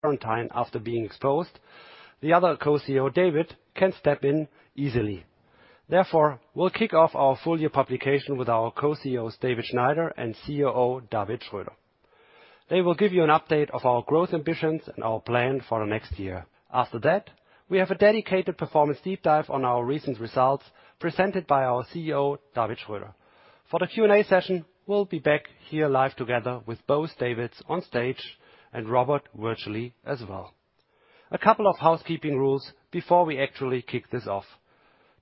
Quarantine after being exposed, the other co-CEO, David, can step in easily. Therefore, we'll kick off our full year publication with our Co-CEOs, David Schneider and Robert Gentz. They will give you an update of our growth ambitions and our plan for the next year. After that, we have a dedicated performance deep dive on our recent results, presented by our COO, David Schröder. For the Q&A session, we'll be back here live together with both Davids on stage and Robert virtually as well. A couple of housekeeping rules before we actually kick this off.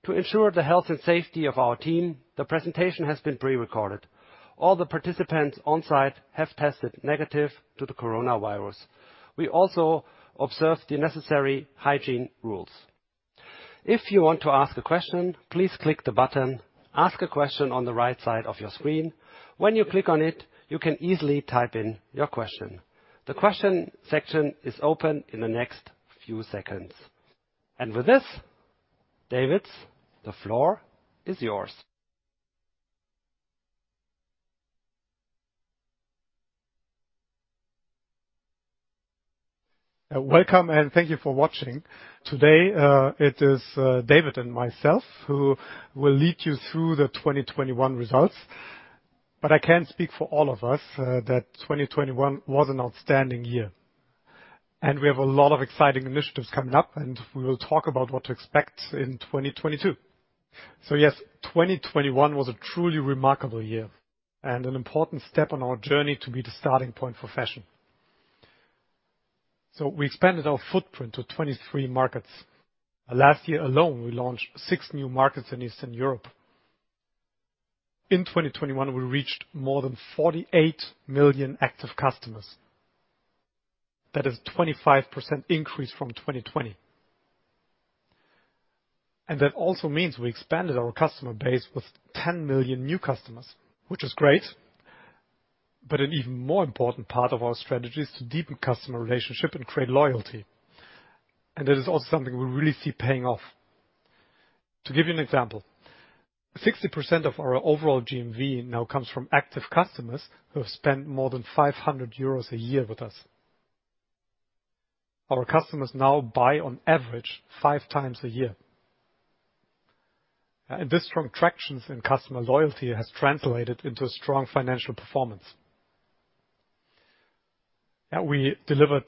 To ensure the health and safety of our team, the presentation has been pre-recorded. All the participants on-site have tested negative to the coronavirus. We also observe the necessary hygiene rules. If you want to ask a question, please click the button, Ask a Question, on the right side of your screen. When you click on it, you can easily type in your question. The question section is open in the next few seconds. With this, David, the floor is yours. Welcome, and thank you for watching. Today, it is David and myself who will lead you through the 2021 results. I can speak for all of us, that 2021 was an outstanding year. We have a lot of exciting initiatives coming up, and we will talk about what to expect in 2022. Yes, 2021 was a truly remarkable year and an important step on our journey to be the starting point for fashion. We expanded our footprint to 23 markets. Last year alone, we launched six new markets in Eastern Europe. In 2021, we reached more than 48 million active customers. That is 25% increase from 2020. That also means we expanded our customer base with 10 million new customers, which is great, but an even more important part of our strategy is to deepen customer relationship and create loyalty. That is also something we really see paying off. To give you an example, 60% of our overall GMV now comes from active customers who have spent more than 500 euros a year with us. Our customers now buy on average 5x a year. This strong traction in customer loyalty has translated into strong financial performance. We delivered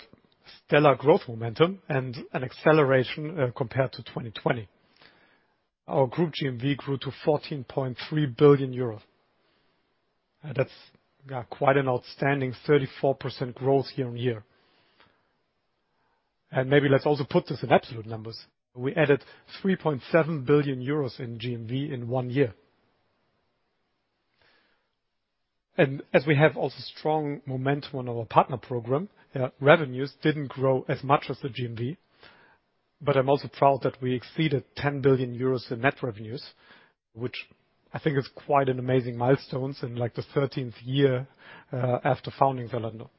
stellar growth momentum and an acceleration compared to 2020. Our group GMV grew to 14.3 billion euros. That's, yeah, quite an outstanding 34% growth year-on-year. Maybe let's also put this in absolute numbers. We added 3.7 billion euros in GMV in 1 year. As we have also strong momentum on our partner program, revenues didn't grow as much as the GMV, but I'm also proud that we exceeded 10 billion euros in net revenues, which I think is quite an amazing milestones in the 13th year after founding Zalando.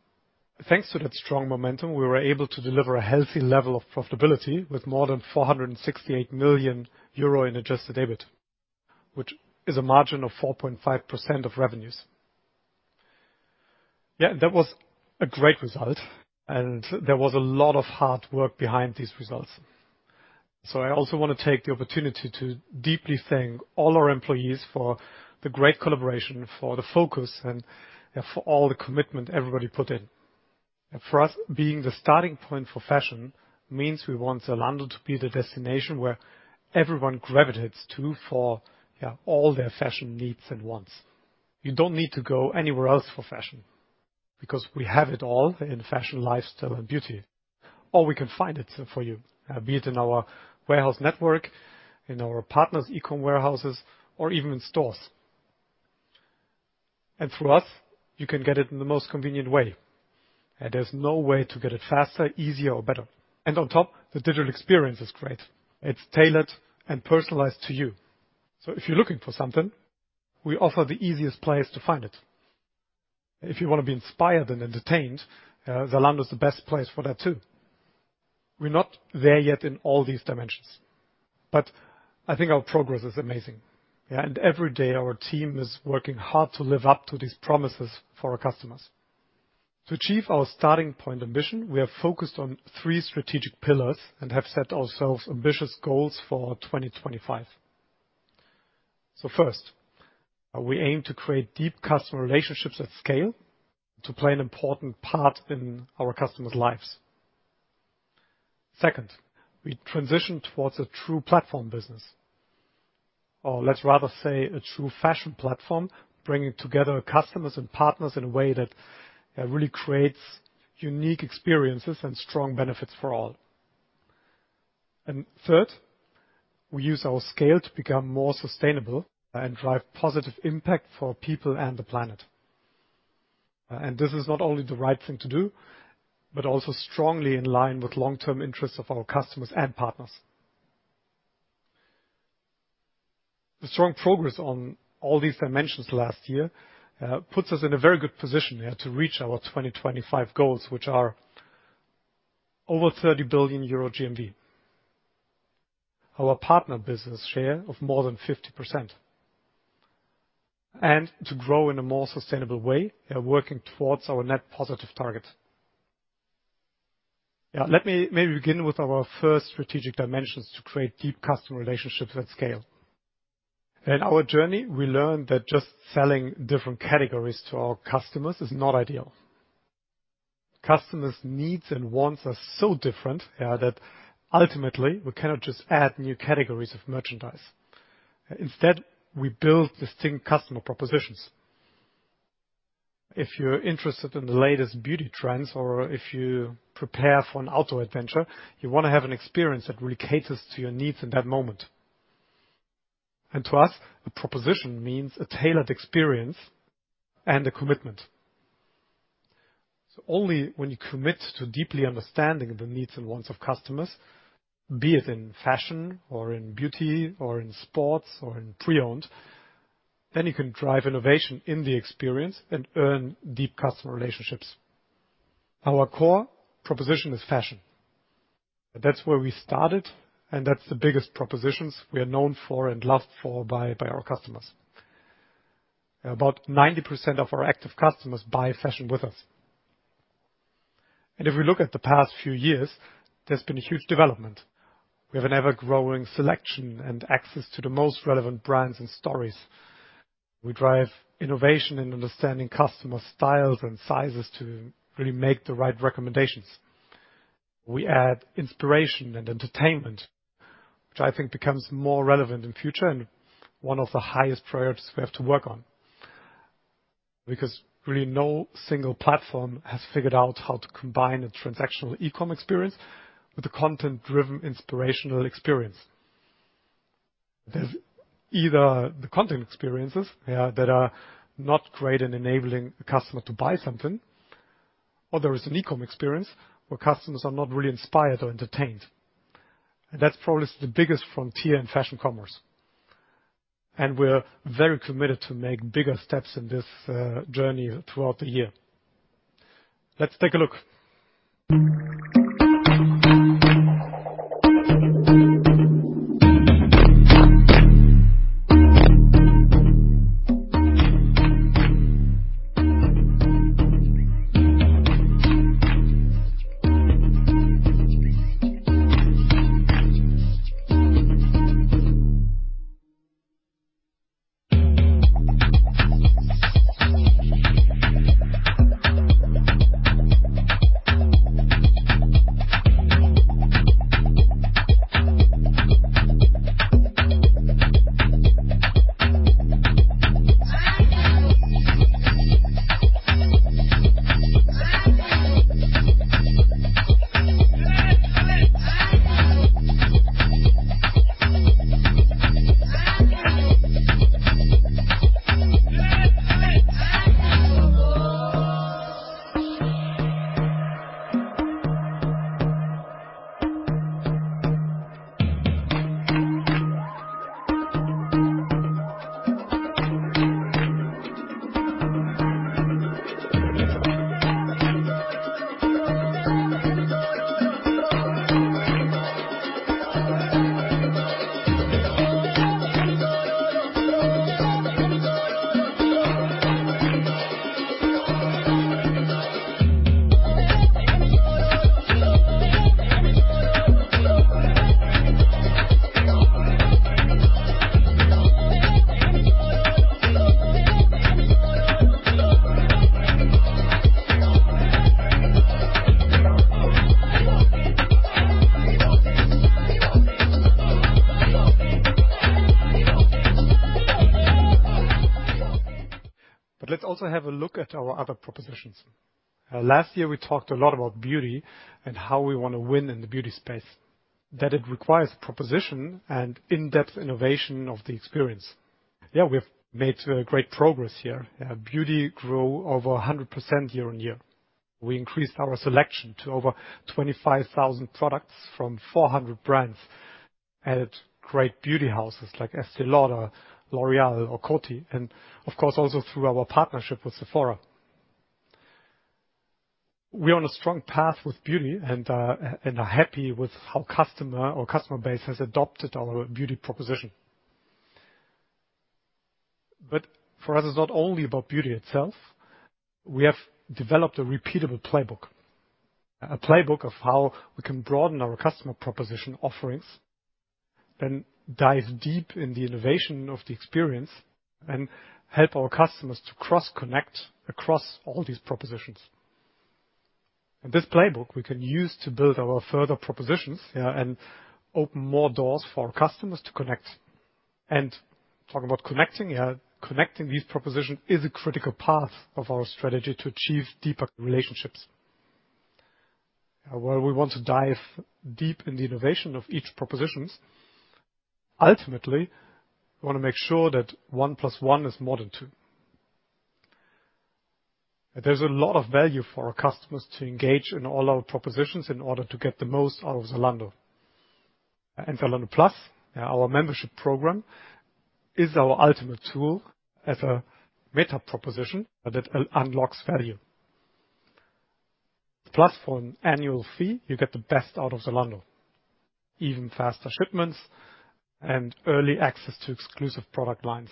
Thanks to that strong momentum, we were able to deliver a healthy level of profitability with more than 468 million euro in adjusted EBIT, which is a margin of 4.5% of revenues. Yeah, that was a great result, and there was a lot of hard work behind these results. I also wanna take the opportunity to deeply thank all our employees for the great collaboration, for the focus, and, yeah, for all the commitment everybody put in. For us, being the starting point for fashion means we want Zalando to be the destination where everyone gravitates to for all their fashion needs and wants. You don't need to go anywhere else for fashion because we have it all in fashion, lifestyle, and beauty, or we can find it for you, be it in our warehouse network, in our partners' e-com warehouses or even in stores. Through us, you can get it in the most convenient way, and there's no way to get it faster, easier or better. On top, the digital experience is great. It's tailored and personalized to you. If you're looking for something, we offer the easiest place to find it. If you wanna be inspired and entertained, Zalando is the best place for that too. We're not there yet in all these dimensions, but I think our progress is amazing, and every day, our team is working hard to live up to these promises for our customers. To achieve our starting point ambition, we are focused on three strategic pillars and have set ourselves ambitious goals for 2025. First, we aim to create deep customer relationships at scale to play an important part in our customers' lives. Second, we transition towards a true platform business. Let's rather say a true fashion platform, bringing together customers and partners in a way that really creates unique experiences and strong benefits for all. Third, we use our scale to become more sustainable and drive positive impact for people and the planet. This is not only the right thing to do, but also strongly in line with long-term interests of our customers and partners. The strong progress on all these dimensions last year puts us in a very good position to reach our 2025 goals, which are over 30 billion euro GMV. Our partner business share of more than 50%. To grow in a more sustainable way, we are working towards our net positive target. Let me maybe begin with our first strategic dimensions to create deep customer relationships at scale. In our journey, we learned that just selling different categories to our customers is not ideal. Customers' needs and wants are so different that ultimately we cannot just add new categories of merchandise. Instead, we build distinct customer propositions. If you're interested in the latest beauty trends or if you prepare for an outdoor adventure, you wanna have an experience that really caters to your needs in that moment. To us, a proposition means a tailored experience and a commitment. Only when you commit to deeply understanding the needs and wants of customers, be it in fashion or in beauty or in sports or in pre-owned, then you can drive innovation in the experience and earn deep customer relationships. Our core proposition is fashion. That's where we started, and that's the biggest propositions we are known for and loved for by our customers. About 90% of our active customers buy fashion with us. If we look at the past few years, there's been a huge development. We have an ever-growing selection and access to the most relevant brands and stories. We drive innovation in understanding customer styles and sizes to really make the right recommendations. We add inspiration and entertainment, which I think becomes more relevant in future and one of the highest priorities we have to work on. Because really, no single platform has figured out how to combine a transactional e-com experience with a content-driven inspirational experience. There's either the content experiences, yeah, that are not great in enabling the customer to buy something, or there is an e-com experience where customers are not really inspired or entertained. That's probably the biggest frontier in fashion commerce. We're very committed to make bigger steps in this journey throughout the year. Let's take a look. Let's also have a look at our other propositions. Last year we talked a lot about beauty and how we wanna win in the beauty space, that it requires proposition and in-depth innovation of the experience. Yeah, we have made great progress here. Beauty grew over 100% year-over-year. We increased our selection to over 25,000 products from 400 brands. Added great beauty houses like Estée Lauder, L'Oréal or Coty, and of course also through our partnership with Sephora. We're on a strong path with beauty and are happy with how customer base has adopted our beauty proposition. For us, it's not only about beauty itself. We have developed a repeatable playbook. A playbook of how we can broaden our customer proposition offerings, then dive deep in the innovation of the experience and help our customers to cross-connect across all these propositions. This playbook we can use to build our further propositions and open more doors for our customers to connect. Talk about connecting these propositions is a critical path of our strategy to achieve deeper relationships where we want to dive deep in the innovation of each propositions. Ultimately, we wanna make sure that one plus one is more than two. There's a lot of value for our customers to engage in all our propositions in order to get the most out of Zalando. Zalando Plus, our membership program, is our ultimate tool as a meta proposition that unlocks value. Plus for an annual fee, you get the best out of Zalando. Even faster shipments and early access to exclusive product lines.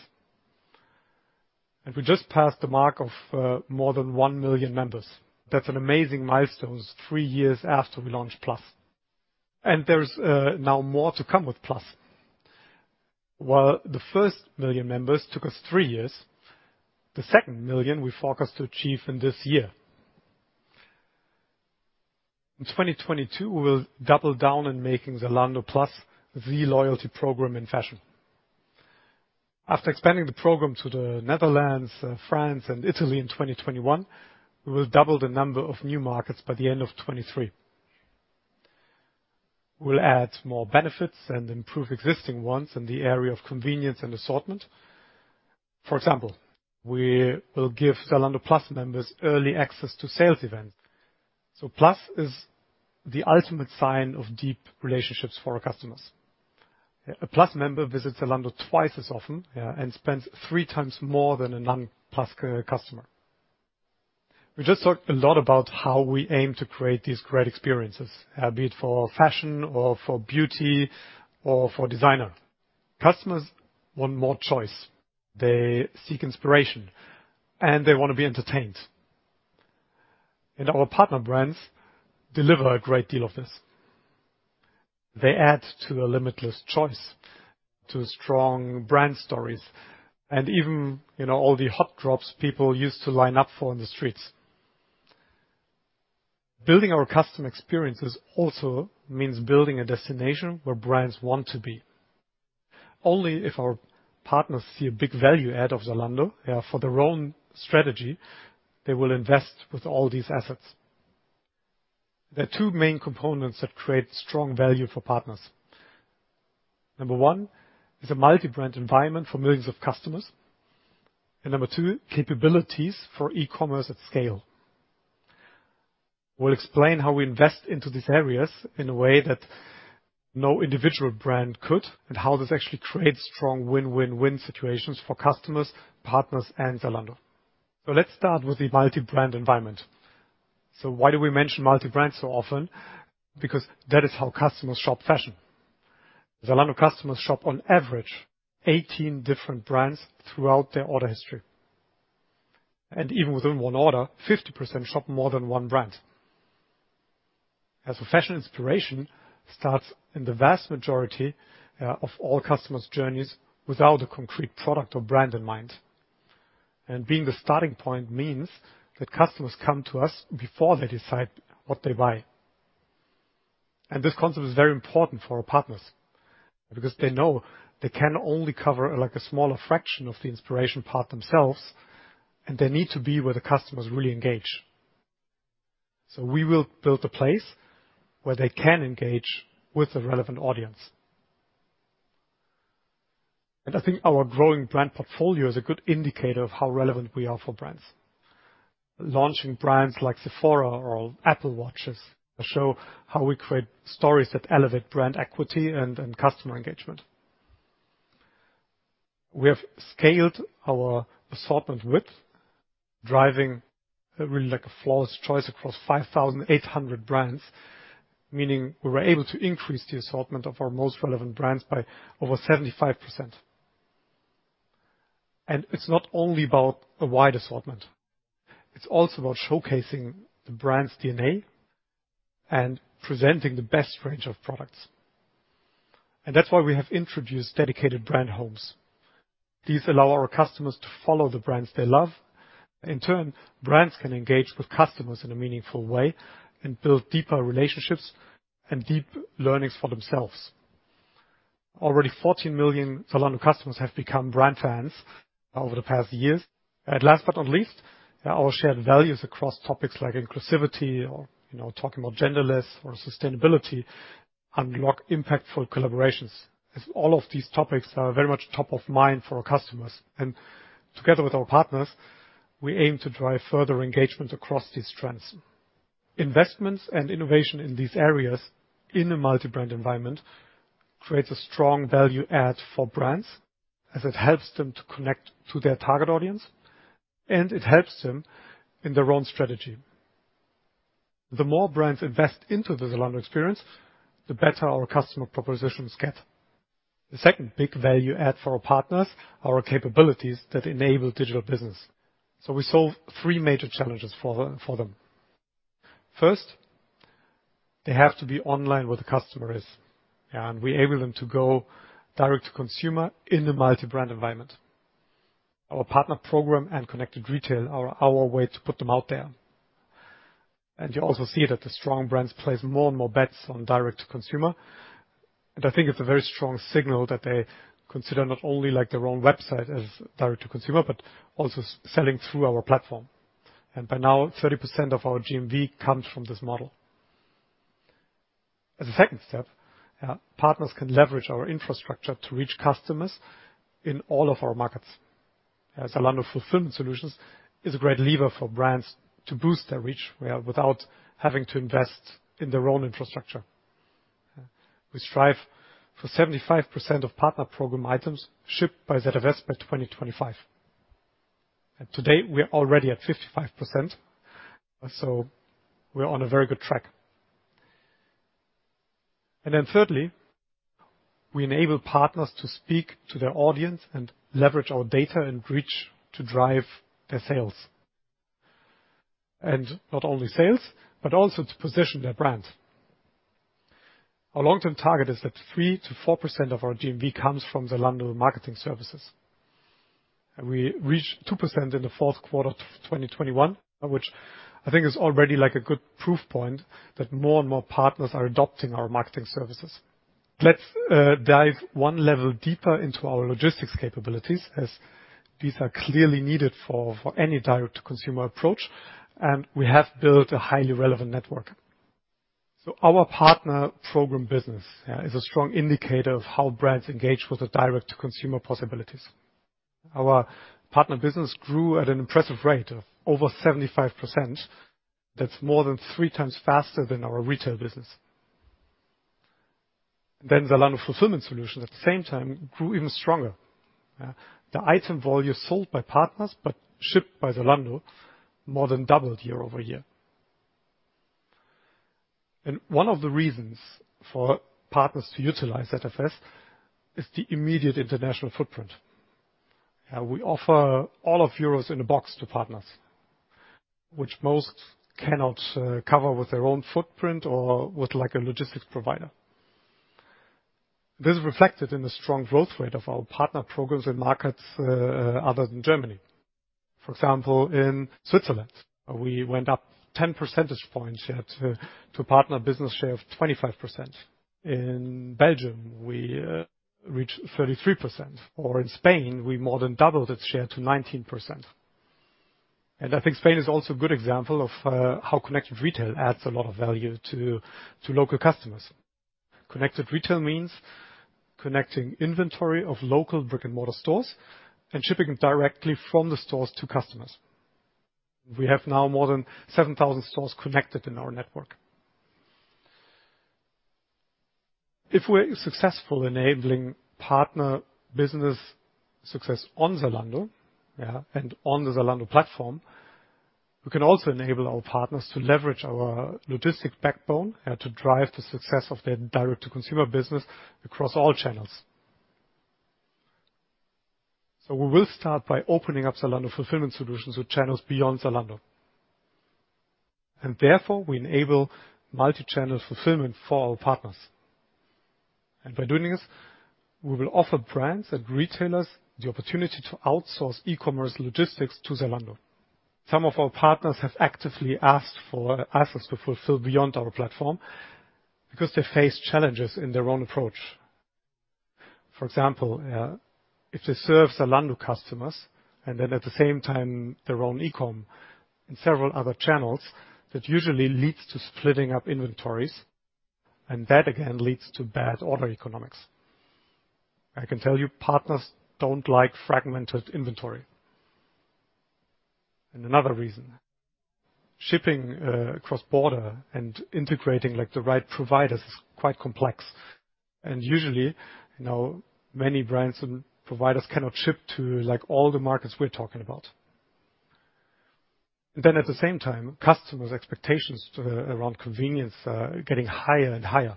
We just passed the mark of more than 1 million members. That's an amazing milestone, 3 years after we launched Plus. There's now more to come with Plus. While the first million members took us 3 years, the second million we forecast to achieve in this year. In 2022, we'll double down in making Zalando Plus the loyalty program in fashion. After expanding the program to the Netherlands, France, and Italy in 2021, we will double the number of new markets by the end of 2023. We'll add more benefits and improve existing ones in the area of convenience and assortment. For example, we will give Zalando Plus members early access to sales events. Plus is the ultimate sign of deep relationships for our customers. A Plus member visits Zalando twice as often and spends three times more than a non-Plus customer. We just talked a lot about how we aim to create these great experiences, be it for fashion or for beauty or for designer. Customers want more choice. They seek inspiration, and they wanna be entertained. Our partner brands deliver a great deal of this. They add to a limitless choice to strong brand stories and even, you know, all the hot drops people used to line up for in the streets. Building our customer experiences also means building a destination where brands want to be. Only if our partners see a big value add of Zalando, for their own strategy, they will invest with all these assets. There are two main components that create strong value for partners. Number one is a multi-brand environment for millions of customers. Number two, capabilities for e-commerce at scale. We'll explain how we invest into these areas in a way that no individual brand could, and how this actually creates strong win-win-win situations for customers, partners, and Zalando. Let's start with the multi-brand environment. Why do we mention multi-brand so often? Because that is how customers shop fashion. Zalando customers shop on average 18 different brands throughout their order history. Even within one order, 50% shop more than one brand. As a fashion inspiration starts in the vast majority of all customers' journeys without a concrete product or brand in mind. Being the starting point means that customers come to us before they decide what they buy. This concept is very important for our partners because they know they can only cover, like, a smaller fraction of the inspiration part themselves, and they need to be where the customers really engage. We will build a place where they can engage with the relevant audience. I think our growing brand portfolio is a good indicator of how relevant we are for brands. Launching brands like Sephora or Apple Watch show how we create stories that elevate brand equity and customer engagement. We have scaled our assortment width, driving really, like, a flawless choice across 5,800 brands, meaning we were able to increase the assortment of our most relevant brands by over 75%. It's not only about a wide assortment, it's also about showcasing the brand's DNA and presenting the best range of products. That's why we have introduced dedicated brand homes. These allow our customers to follow the brands they love. In turn, brands can engage with customers in a meaningful way and build deeper relationships and deep learnings for themselves. Already 14 million Zalando customers have become brand fans over the past years. Last but not least, our shared values across topics like inclusivity or, you know, talking about genderless or sustainability, unlock impactful collaborations, as all of these topics are very much top of mind for our customers. Together with our partners, we aim to drive further engagement across these trends. Investments and innovation in these areas in a multi-brand environment creates a strong value add for brands as it helps them to connect to their target audience, and it helps them in their own strategy. The more brands invest into the Zalando experience, the better our customer propositions get. The second big value add for our partners are capabilities that enable digital business. We solve three major challenges for them. First, they have to be online where the customer is, and we enable them to go direct to consumer in a multi-brand environment. Our partner program and Connected Retail are our way to put them out there. You also see that the strong brands place more and more bets on direct to consumer. I think it's a very strong signal that they consider not only, like, their own website as direct to consumer, but also selling through our platform. By now, 30% of our GMV comes from this model. As a second step, partners can leverage our infrastructure to reach customers in all of our markets. Zalando Fulfillment Solutions is a great lever for brands to boost their reach without having to invest in their own infrastructure. We strive for 75% of partner program items shipped by ZFS by 2025. Today, we are already at 55%. We're on a very good track. Then thirdly, we enable partners to speak to their audience and leverage our data and reach to drive their sales. Not only sales, but also to position their brand. Our long-term target is that 3%-4% of our GMV comes from the Zalando Marketing Services. We reached 2% in the fourth quarter of 2021, which I think is already like a good proof point that more and more partners are adopting our marketing services. Let's dive one level deeper into our logistics capabilities, as these are clearly needed for any direct to consumer approach. We have built a highly relevant network. Our partner program business is a strong indicator of how brands engage with the direct to consumer possibilities. Our partner business grew at an impressive rate of over 75%. That's more than three times faster than our retail business. Zalando fulfillment solution at the same time grew even stronger. The item volume sold by partners, but shipped by Zalando more than doubled year-over-year. One of the reasons for partners to utilize ZFS is the immediate international footprint. We offer all of Europe in a box to partners, which most cannot cover with their own footprint or with like a logistics provider. This is reflected in the strong growth rate of our partner program in markets other than Germany. For example, in Switzerland, we went up 10 percentage points share to partner business share of 25%. In Belgium, we reached 33%. In Spain, we more than doubled its share to 19%. I think Spain is also a good example of how Connected Retail adds a lot of value to local customers. Connected Retail means connecting inventory of local brick-and-mortar stores and shipping directly from the stores to customers. We have now more than 7,000 stores connected in our network. If we're successful enabling partner business success on Zalando and on the Zalando platform, we can also enable our partners to leverage our logistics backbone to drive the success of their direct to consumer business across all channels. We will start by opening up Zalando Fulfillment Solutions with channels beyond Zalando. We enable multi-channel fulfillment for our partners. By doing this, we will offer brands and retailers the opportunity to outsource e-commerce logistics to Zalando. Some of our partners have actively asked for us to fulfill beyond our platform because they face challenges in their own approach. For example, if they serve Zalando customers and then at the same time their own e-com in several other channels, that usually leads to splitting up inventories, and that again leads to bad order economics. I can tell you partners don't like fragmented inventory. Another reason, shipping cross-border and integrating like the right providers is quite complex. Usually, you know, many brands and providers cannot ship to like all the markets we're talking about. At the same time, customers' expectations around convenience are getting higher and higher.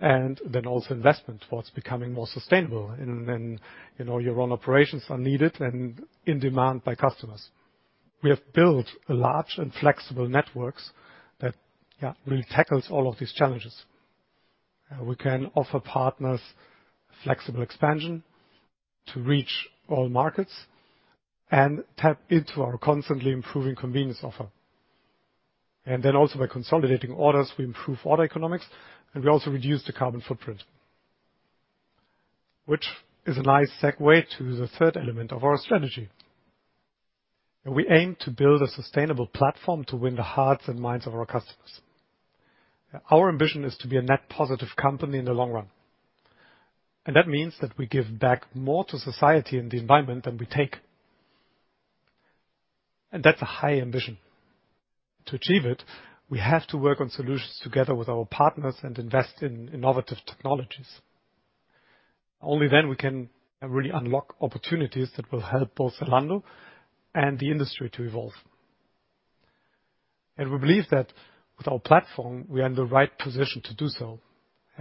Investment towards becoming more sustainable. You know, your own operations are needed and in demand by customers. We have built large and flexible networks that really tackles all of these challenges. We can offer partners flexible expansion to reach all markets and tap into our constantly improving convenience offer. By consolidating orders, we improve order economics, and we also reduce the carbon footprint, which is a nice segue to the third element of our strategy. We aim to build a sustainable platform to win the hearts and minds of our customers. Our ambition is to be a net positive company in the long run. That means that we give back more to society and the environment than we take. That's a high ambition. To achieve it, we have to work on solutions together with our partners and invest in innovative technologies. Only then we can really unlock opportunities that will help both Zalando and the industry to evolve. We believe that with our platform, we are in the right position to do so,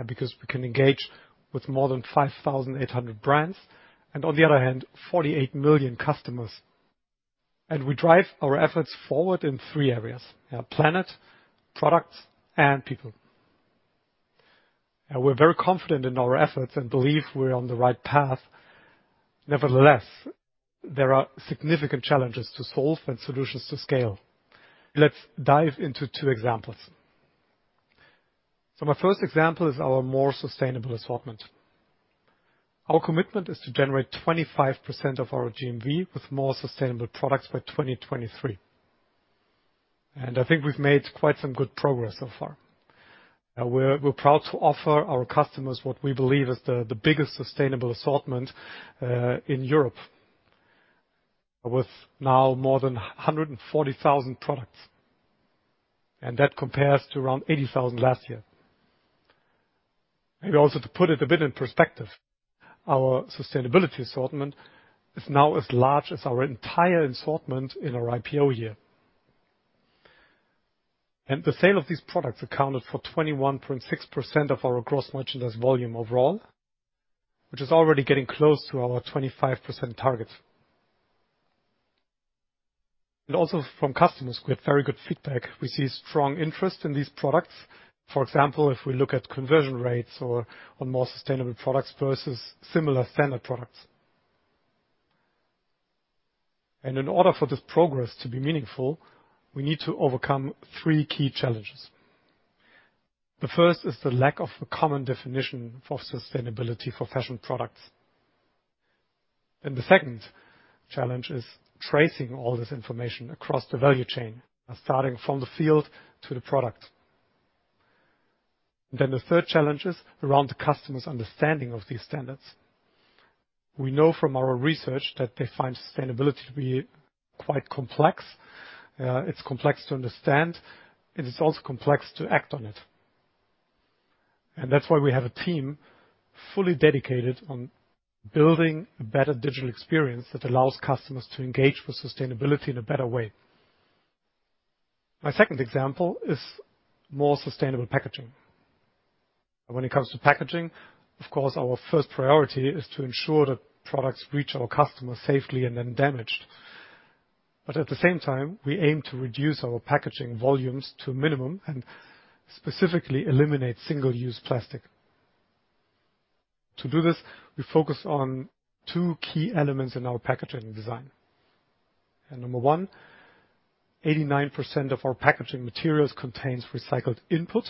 because we can engage with more than 5,800 brands, and on the other hand, 48 million customers. We drive our efforts forward in three areas: our planet, products, and people. We're very confident in our efforts and believe we're on the right path. Nevertheless, there are significant challenges to solve and solutions to scale. Let's dive into two examples. My first example is our more sustainable assortment. Our commitment is to generate 25% of our GMV with more sustainable products by 2023. I think we've made quite some good progress so far. We're proud to offer our customers what we believe is the biggest sustainable assortment in Europe with now more than 140,000 products. That compares to around 80,000 last year. Also to put it a bit in perspective, our sustainability assortment is now as large as our entire assortment in our IPO year. The sale of these products accounted for 21.6% of our gross merchandise volume overall, which is already getting close to our 25% target. Also from customers, we had very good feedback. We see strong interest in these products. For example, if we look at conversion rates or on more sustainable products versus similar standard products. In order for this progress to be meaningful, we need to overcome three key challenges. The first is the lack of a common definition for sustainability for fashion products. The second challenge is tracing all this information across the value chain, starting from the field to the product. The third challenge is around the customer's understanding of these standards. We know from our research that they find sustainability to be quite complex. It's complex to understand, and it's also complex to act on it. That's why we have a team fully dedicated on building a better digital experience that allows customers to engage with sustainability in a better way. My second example is more sustainable packaging. When it comes to packaging, of course, our first priority is to ensure that products reach our customers safely and undamaged. At the same time, we aim to reduce our packaging volumes to a minimum and specifically eliminate single-use plastic. To do this, we focus on two key elements in our packaging design. Number one, 89% of our packaging materials contains recycled input,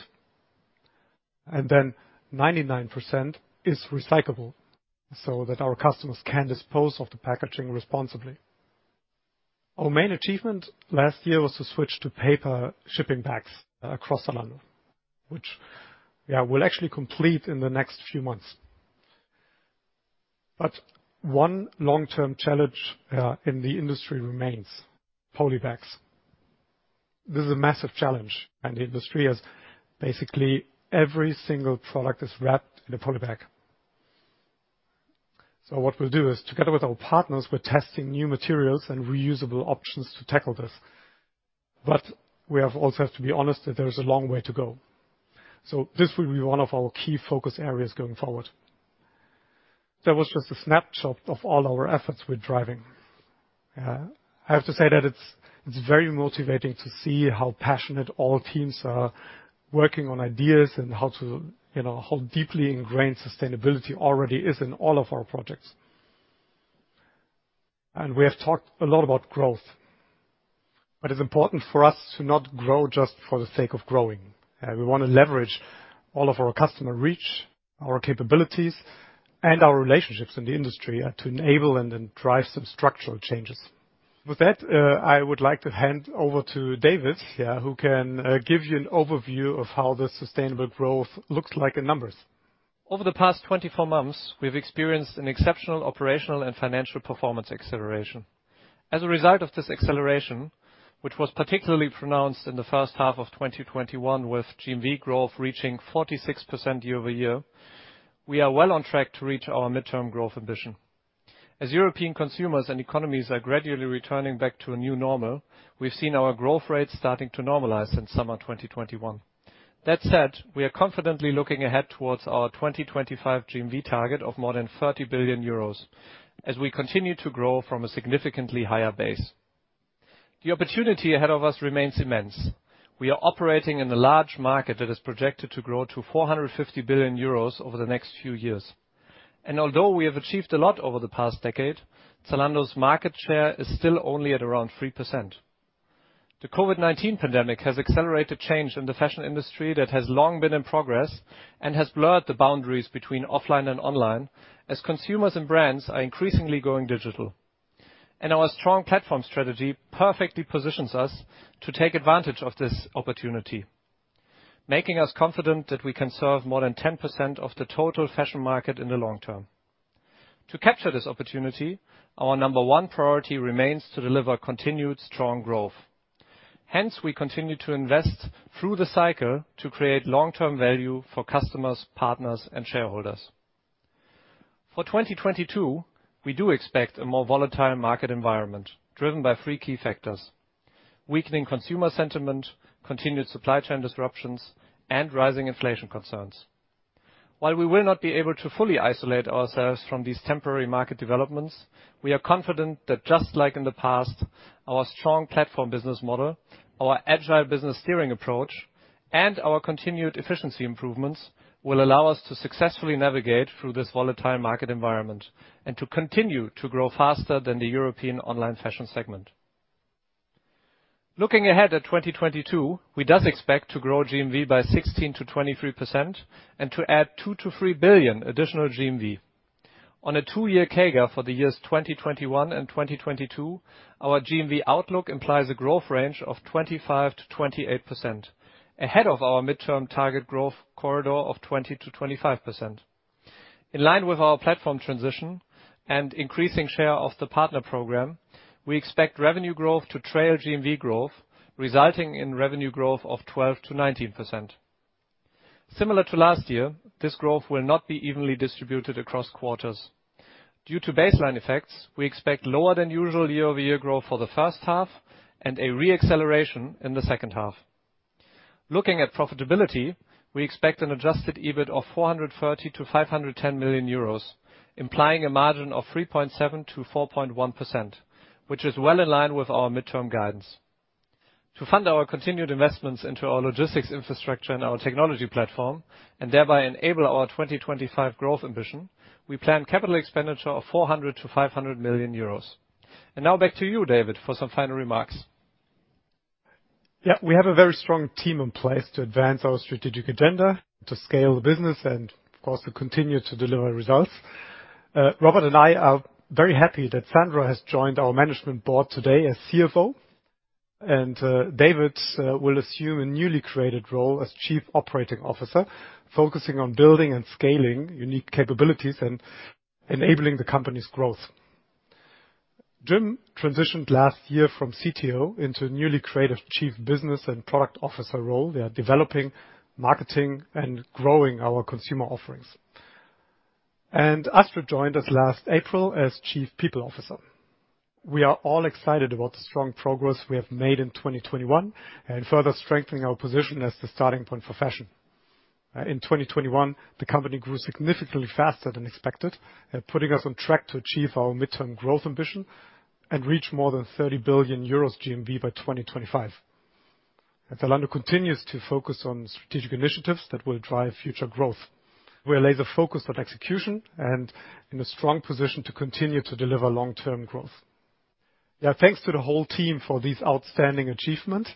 and then 99% is recyclable so that our customers can dispose of the packaging responsibly. Our main achievement last year was to switch to paper shipping packs across the Zalando, which we'll actually complete in the next few months. One long-term challenge in the industry remains polybags. This is a massive challenge, and the industry is basically every single product is wrapped in a polybag. What we'll do is, together with our partners, we're testing new materials and reusable options to tackle this. We also have to be honest that there is a long way to go. This will be one of our key focus areas going forward. That was just a snapshot of all our efforts we're driving. I have to say that it's very motivating to see how passionate all teams are working on ideas and, you know, how deeply ingrained sustainability already is in all of our projects. We have talked a lot about growth, but it's important for us to not grow just for the sake of growing. We wanna leverage all of our customer reach, our capabilities, and our relationships in the industry to enable and then drive some structural changes. With that, I would like to hand over to David who can give you an overview of how the sustainable growth looks like in numbers. Over the past 24 months, we've experienced an exceptional operational and financial performance acceleration. As a result of this acceleration, which was particularly pronounced in the first half of 2021, with GMV growth reaching 46% year-over-year, we are well on track to reach our midterm growth ambition. As European consumers and economies are gradually returning back to a new normal, we've seen our growth rates starting to normalize since summer 2021. That said, we are confidently looking ahead towards our 2025 GMV target of more than 30 billion euros as we continue to grow from a significantly higher base. The opportunity ahead of us remains immense. We are operating in a large market that is projected to grow to 450 billion euros over the next few years. Although we have achieved a lot over the past decade, Zalando's market share is still only at around 3%. The COVID-19 pandemic has accelerated change in the fashion industry that has long been in progress and has blurred the boundaries between offline and online as consumers and brands are increasingly going digital. Our strong platform strategy perfectly positions us to take advantage of this opportunity, making us confident that we can serve more than 10% of the total fashion market in the long term. To capture this opportunity, our number one priority remains to deliver continued strong growth. Hence, we continue to invest through the cycle to create long-term value for customers, partners, and shareholders. For 2022, we do expect a more volatile market environment driven by three key factors, weakening consumer sentiment, continued supply chain disruptions, and rising inflation concerns. While we will not be able to fully isolate ourselves from these temporary market developments, we are confident that just like in the past, our strong platform business model, our agile business steering approach, and our continued efficiency improvements will allow us to successfully navigate through this volatile market environment and to continue to grow faster than the European online fashion segment. Looking ahead at 2022, we do expect to grow GMV by 16%-23% and to add 2 billion-3 billion additional GMV. On a two-year CAGR for the years 2021 and 2022, our GMV outlook implies a growth range of 25%-28%, ahead of our midterm target growth corridor of 20%-25%. In line with our platform transition and increasing share of the partner program, we expect revenue growth to trail GMV growth, resulting in revenue growth of 12%-19%. Similar to last year, this growth will not be evenly distributed across quarters. Due to baseline effects, we expect lower than usual year-over-year growth for the first half and a re-acceleration in the second half. Looking at profitability, we expect an adjusted EBIT of 430 million-510 million euros, implying a margin of 3.7%-4.1%, which is well in line with our midterm guidance. To fund our continued investments into our logistics infrastructure and our technology platform, and thereby enable our 2025 growth ambition, we plan capital expenditure of 400 million-500 million euros. Now back to you, David, for some final remarks. Yeah, we have a very strong team in place to advance our strategic agenda, to scale the business and, of course, to continue to deliver results. Robert and I are very happy that Sandra has joined our management board today as CFO. David will assume a newly created role as Chief Operating Officer, focusing on building and scaling unique capabilities and enabling the company's growth. Jim transitioned last year from CTO into a newly created Chief Business and Product Officer role. They are developing, marketing, and growing our consumer offerings. Astrid Arndt joined us last April as Chief People Officer. We are all excited about the strong progress we have made in 2021, and further strengthening our position as the starting point for fashion. In 2021, the company grew significantly faster than expected, putting us on track to achieve our midterm growth ambition and reach more than 30 billion euros GMV by 2025. Zalando continues to focus on strategic initiatives that will drive future growth. We're laser-focused on execution and in a strong position to continue to deliver long-term growth. Yeah, thanks to the whole team for this outstanding achievement.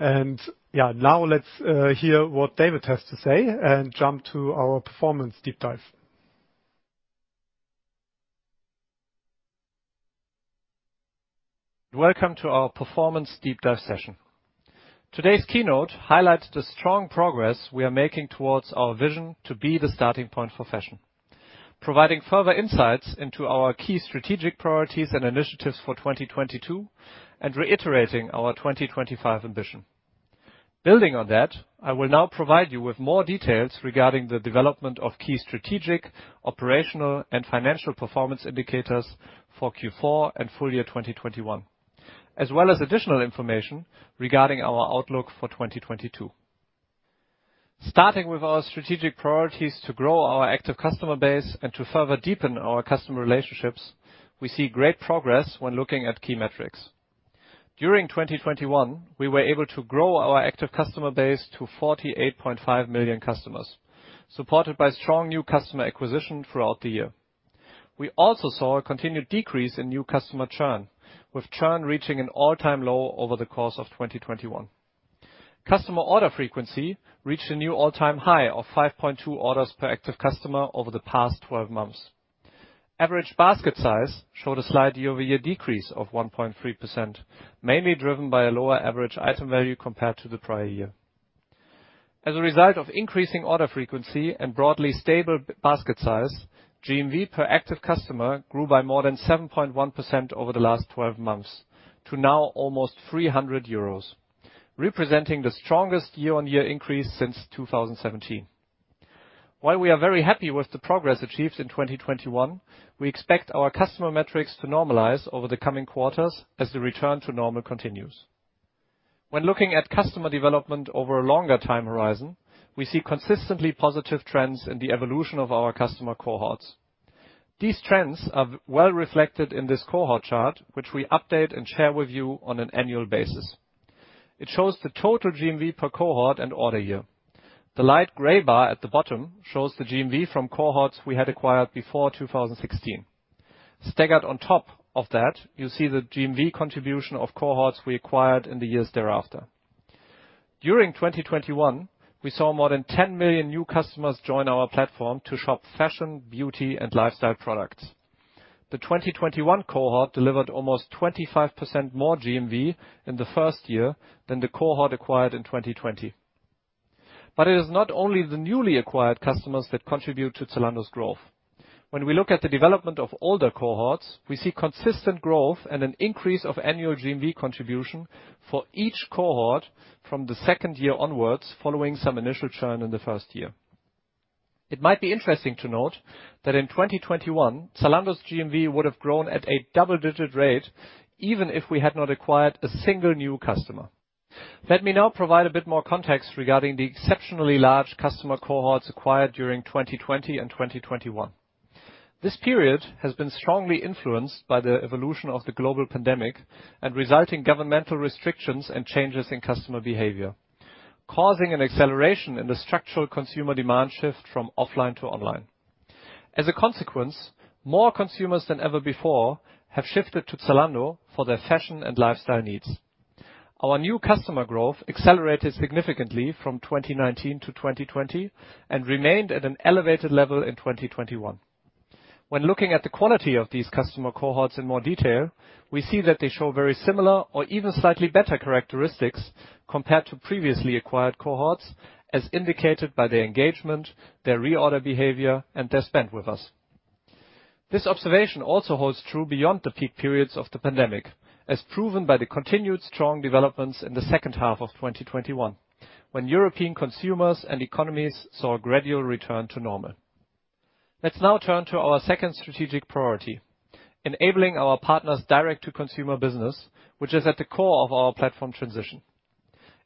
Yeah, now let's hear what David has to say and jump to our performance deep dive. Welcome to our performance deep dive session. Today's keynote highlights the strong progress we are making towards our vision to be the starting point for fashion, providing further insights into our key strategic priorities and initiatives for 2022, and reiterating our 2025 ambition. Building on that, I will now provide you with more details regarding the development of key strategic, operational, and financial performance indicators for Q4 and full year 2021, as well as additional information regarding our outlook for 2022. Starting with our strategic priorities to grow our active customer base and to further deepen our customer relationships, we see great progress when looking at key metrics. During 2021, we were able to grow our active customer base to 48.5 million customers, supported by strong new customer acquisition throughout the year. We also saw a continued decrease in new customer churn, with churn reaching an all-time low over the course of 2021. Customer order frequency reached a new all-time high of 5.2 orders per active customer over the past twelve months. Average basket size showed a slight year-over-year decrease of 1.3%, mainly driven by a lower average item value compared to the prior year. As a result of increasing order frequency and broadly stable basket size, GMV per active customer grew by more than 7.1% over the last 12 months to now almost 300 euros, representing the strongest year-over-year increase since 2017. While we are very happy with the progress achieved in 2021, we expect our customer metrics to normalize over the coming quarters as the return to normal continues. When looking at customer development over a longer time horizon, we see consistently positive trends in the evolution of our customer cohorts. These trends are well reflected in this cohort chart, which we update and share with you on an annual basis. It shows the total GMV per cohort and order year. The light gray bar at the bottom shows the GMV from cohorts we had acquired before 2016. Staggered on top of that, you see the GMV contribution of cohorts we acquired in the years thereafter. During 2021, we saw more than 10 million new customers join our platform to shop fashion, beauty, and lifestyle products. The 2021 cohort delivered almost 25% more GMV in the first year than the cohort acquired in 2020. It is not only the newly acquired customers that contribute to Zalando's growth. When we look at the development of older cohorts, we see consistent growth and an increase of annual GMV contribution for each cohort from the second year onwards, following some initial churn in the first year. It might be interesting to note that in 2021, Zalando's GMV would have grown at a double-digit rate even if we had not acquired a single new customer. Let me now provide a bit more context regarding the exceptionally large customer cohorts acquired during 2020 and 2021. This period has been strongly influenced by the evolution of the global pandemic and resulting governmental restrictions and changes in customer behavior, causing an acceleration in the structural consumer demand shift from offline to online. As a consequence, more consumers than ever before have shifted to Zalando for their fashion and lifestyle needs. Our new customer growth accelerated significantly from 2019 to 2020, and remained at an elevated level in 2021. When looking at the quality of these customer cohorts in more detail, we see that they show very similar or even slightly better characteristics compared to previously acquired cohorts, as indicated by their engagement, their reorder behavior, and their spend with us. This observation also holds true beyond the peak periods of the pandemic, as proven by the continued strong developments in the second half of 2021, when European consumers and economies saw a gradual return to normal. Let's now turn to our second strategic priority, enabling our partners direct-to-consumer business, which is at the core of our platform transition.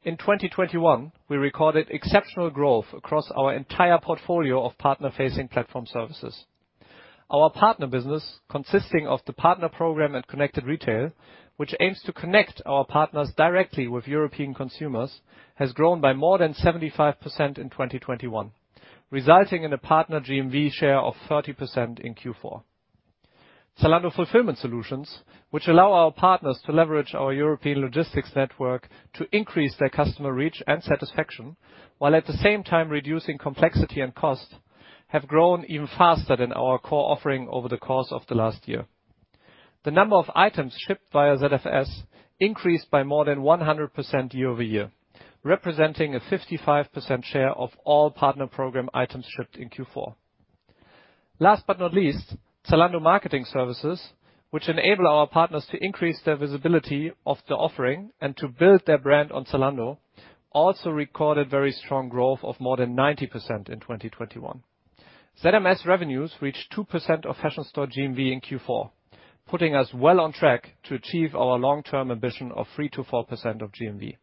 In 2021, we recorded exceptional growth across our entire portfolio of partner-facing platform services. Our partner business, consisting of the partner program at Connected Retail, which aims to connect our partners directly with European consumers, has grown by more than 75% in 2021, resulting in a partner GMV share of 30% in Q4. Zalando Fulfillment Solutions, which allow our partners to leverage our European logistics network to increase their customer reach and satisfaction, while at the same time reducing complexity and cost, have grown even faster than our core offering over the course of the last year. The number of items shipped via ZFS increased by more than 100% year-over-year, representing a 55% share of all partner program items shipped in Q4. Last but not least, Zalando Marketing Services, which enable our partners to increase their visibility of the offering and to build their brand on Zalando, also recorded very strong growth of more than 90% in 2021. ZMS revenues reached 2% of Fashion Store GMV in Q4, putting us well on track to achieve our long-term ambition of 3%-4% of GMV.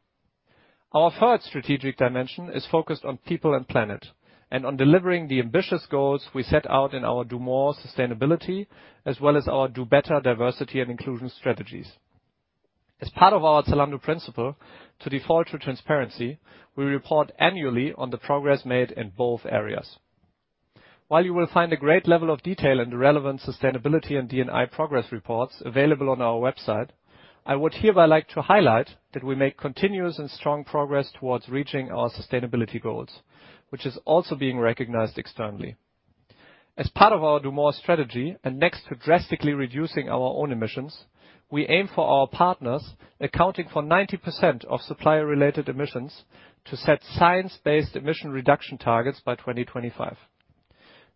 Our third strategic dimension is focused on people and planet, and on delivering the ambitious goals we set out in our do. MORE sustainability, as well as our do. BETTER diversity and inclusion strategies. As part of our Zalando principle to default to transparency, we report annually on the progress made in both areas. While you will find a great level of detail in the relevant sustainability and D&I progress reports available on our website, I would hereby like to highlight that we make continuous and strong progress towards reaching our sustainability goals, which is also being recognized externally. As part of our do. MORE strategy, and next to drastically reducing our own emissions, we aim for our partners accounting for 90% of supplier-related emissions to set science-based emission reduction targets by 2025.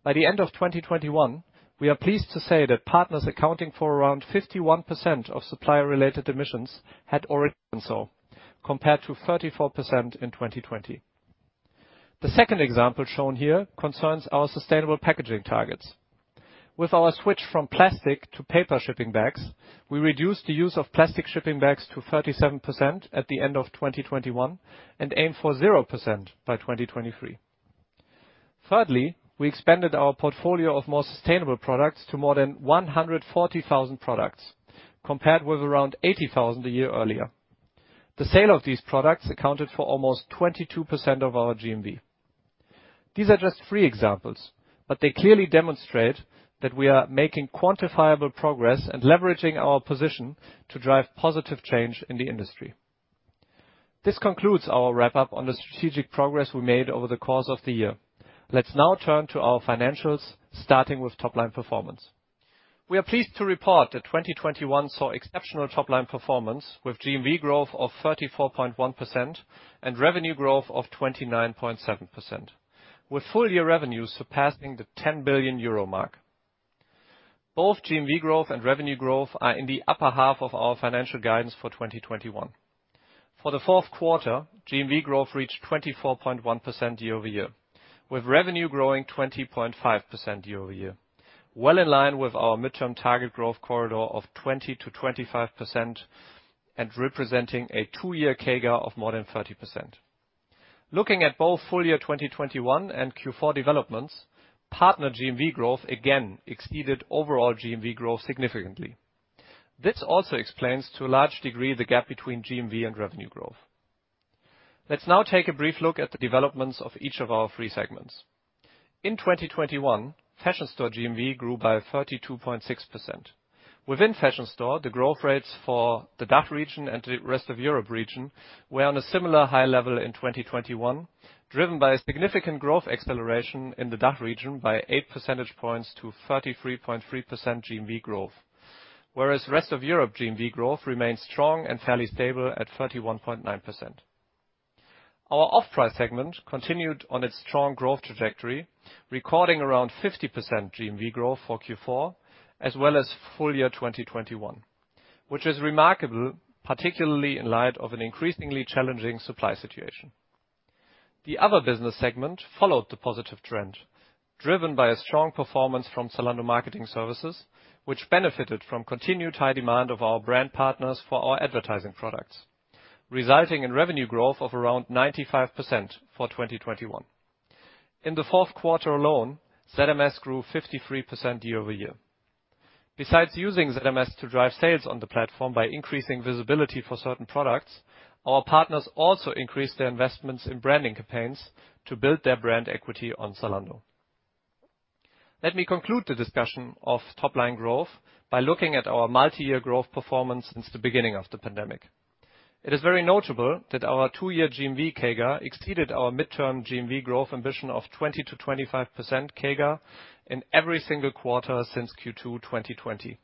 By the end of 2021, we are pleased to say that partners accounting for around 51% of supplier-related emissions had already done so, compared to 34% in 2020. The second example shown here concerns our sustainable packaging targets. With our switch from plastic to paper shipping bags, we reduced the use of plastic shipping bags to 37% at the end of 2021 and aim for 0% by 2023. Thirdly, we expanded our portfolio of more sustainable products to more than 140,000 products, compared with around 80,000 a year earlier. The sale of these products accounted for almost 22% of our GMV. These are just three examples, but they clearly demonstrate that we are making quantifiable progress and leveraging our position to drive positive change in the industry. This concludes our wrap-up on the strategic progress we made over the course of the year. Let's now turn to our financials, starting with top-line performance. We are pleased to report that 2021 saw exceptional top-line performance, with GMV growth of 34.1% and revenue growth of 29.7%, with full year revenues surpassing the 10 billion euro mark. Both GMV growth and revenue growth are in the upper half of our financial guidance for 2021. For the fourth quarter, GMV growth reached 24.1% year-over-year, with revenue growing 20.5% year-over-year, well in line with our midterm target growth corridor of 20%-25% and representing a two-year CAGR of more than 30%. Looking at both full year 2021 and Q4 developments, partner GMV growth again exceeded overall GMV growth significantly. This also explains, to a large degree, the gap between GMV and revenue growth. Let's now take a brief look at the developments of each of our three segments. In 2021, Fashion Store GMV grew by 32.6%. Within Fashion Store, the growth rates for the DACH region and the Rest of Europe region were on a similar high level in 2021, driven by a significant growth acceleration in the DACH region by 8 percentage points to 33.3% GMV growth. Whereas Rest of Europe GMV growth remains strong and fairly stable at 31.9%. Our Offprice segment continued on its strong growth trajectory, recording around 50% GMV growth for Q4 as well as full year 2021, which is remarkable, particularly in light of an increasingly challenging supply situation. The Other Business segment followed the positive trend, driven by a strong performance from Zalando Marketing Services, which benefited from continued high demand of our brand partners for our advertising products, resulting in revenue growth of around 95% for 2021. In the fourth quarter alone, ZMS grew 53% year over year. Besides using ZMS to drive sales on the platform by increasing visibility for certain products, our partners also increased their investments in branding campaigns to build their brand equity on Zalando. Let me conclude the discussion of top-line growth by looking at our multi-year growth performance since the beginning of the pandemic. It is very notable that our two-year GMV CAGR exceeded our midterm GMV growth ambition of 20%-25% CAGR in every single quarter since Q2 2020.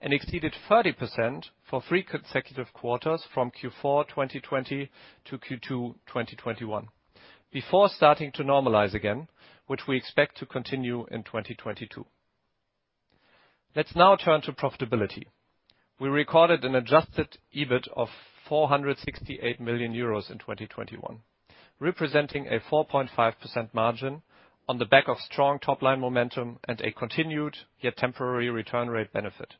Exceeded 30% for three consecutive quarters from Q4 2020 to Q2 2021. Before starting to normalize again, which we expect to continue in 2022. Let's now turn to profitability. We recorded an adjusted EBIT of 468 million euros in 2021, representing a 4.5% margin on the back of strong top-line momentum and a continued yet temporary return rate benefit.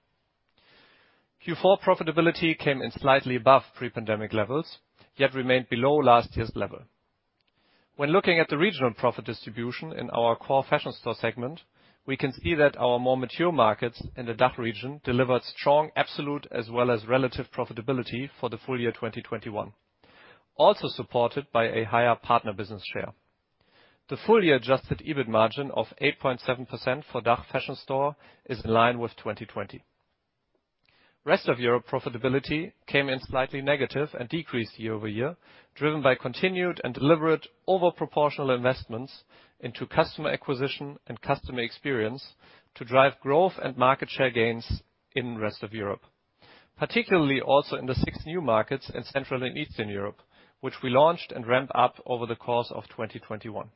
Q4 profitability came in slightly above pre-pandemic levels, yet remained below last year's level. When looking at the regional profit distribution in our core Fashion Store segment, we can see that our more mature markets in the DACH region delivered strong absolute as well as relative profitability for the full year 2021, also supported by a higher partner business share. The full year adjusted EBIT margin of 8.7% for DACH Fashion Store is in line with 2020. Rest of Europe profitability came in slightly negative and decreased year-over-year, driven by continued and deliberate over proportional investments into customer acquisition and customer experience to drive growth and market share gains in Rest of Europe. Particularly also in the six new markets in Central and Eastern Europe, which we launched and ramped up over the course of 2021.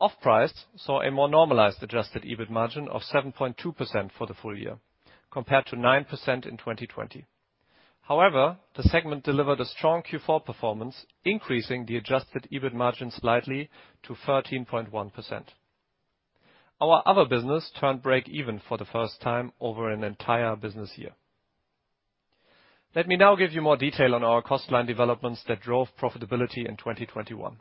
Offprice saw a more normalized adjusted EBIT margin of 7.2% for the full year compared to 9% in 2020. However, the segment delivered a strong Q4 performance, increasing the adjusted EBIT margin slightly to 13.1%. Our other business turned breakeven for the first time over an entire business year. Let me now give you more detail on our cost line developments that drove profitability in 2021.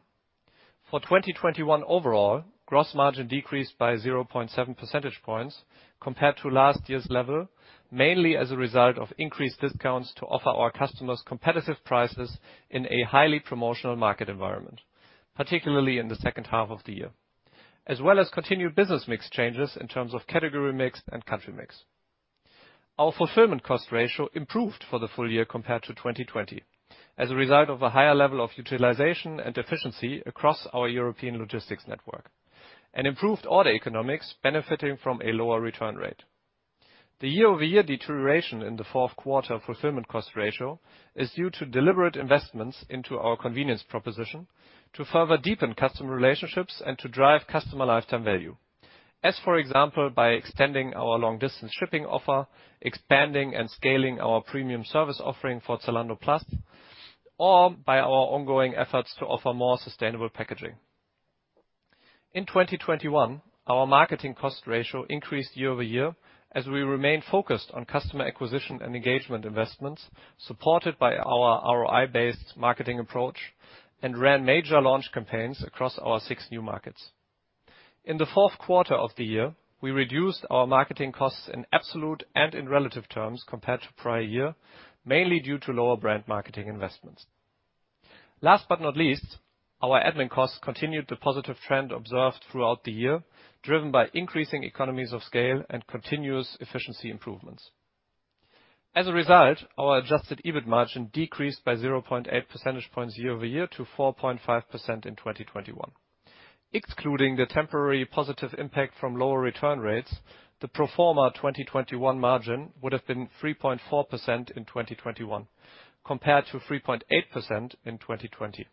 For 2021 overall, gross margin decreased by 0.7 percentage points compared to last year's level, mainly as a result of increased discounts to offer our customers competitive prices in a highly promotional market environment, particularly in the second half of the year, as well as continued business mix changes in terms of category mix and country mix. Our fulfillment cost ratio improved for the full year compared to 2020, as a result of a higher level of utilization and efficiency across our European logistics network, and improved order economics benefiting from a lower return rate. The year-over-year deterioration in the fourth quarter fulfillment cost ratio is due to deliberate investments into our convenience proposition to further deepen customer relationships and to drive customer lifetime value. As, for example, by extending our long-distance shipping offer, expanding and scaling our premium service offering for Zalando Plus, or by our ongoing efforts to offer more sustainable packaging. In 2021, our marketing cost ratio increased year-over-year as we remain focused on customer acquisition and engagement investments, supported by our ROI-based marketing approach and ran major launch campaigns across our six new markets. In the fourth quarter of the year, we reduced our marketing costs in absolute and in relative terms compared to prior year, mainly due to lower brand marketing investments. Last but not least, our admin costs continued the positive trend observed throughout the year, driven by increasing economies of scale and continuous efficiency improvements. As a result, our adjusted EBIT margin decreased by 0.8 percentage points year-over-year to 4.5% in 2021. Excluding the temporary positive impact from lower return rates, the pro forma 2021 margin would have been 3.4% in 2021 compared to 3.8% in 2020.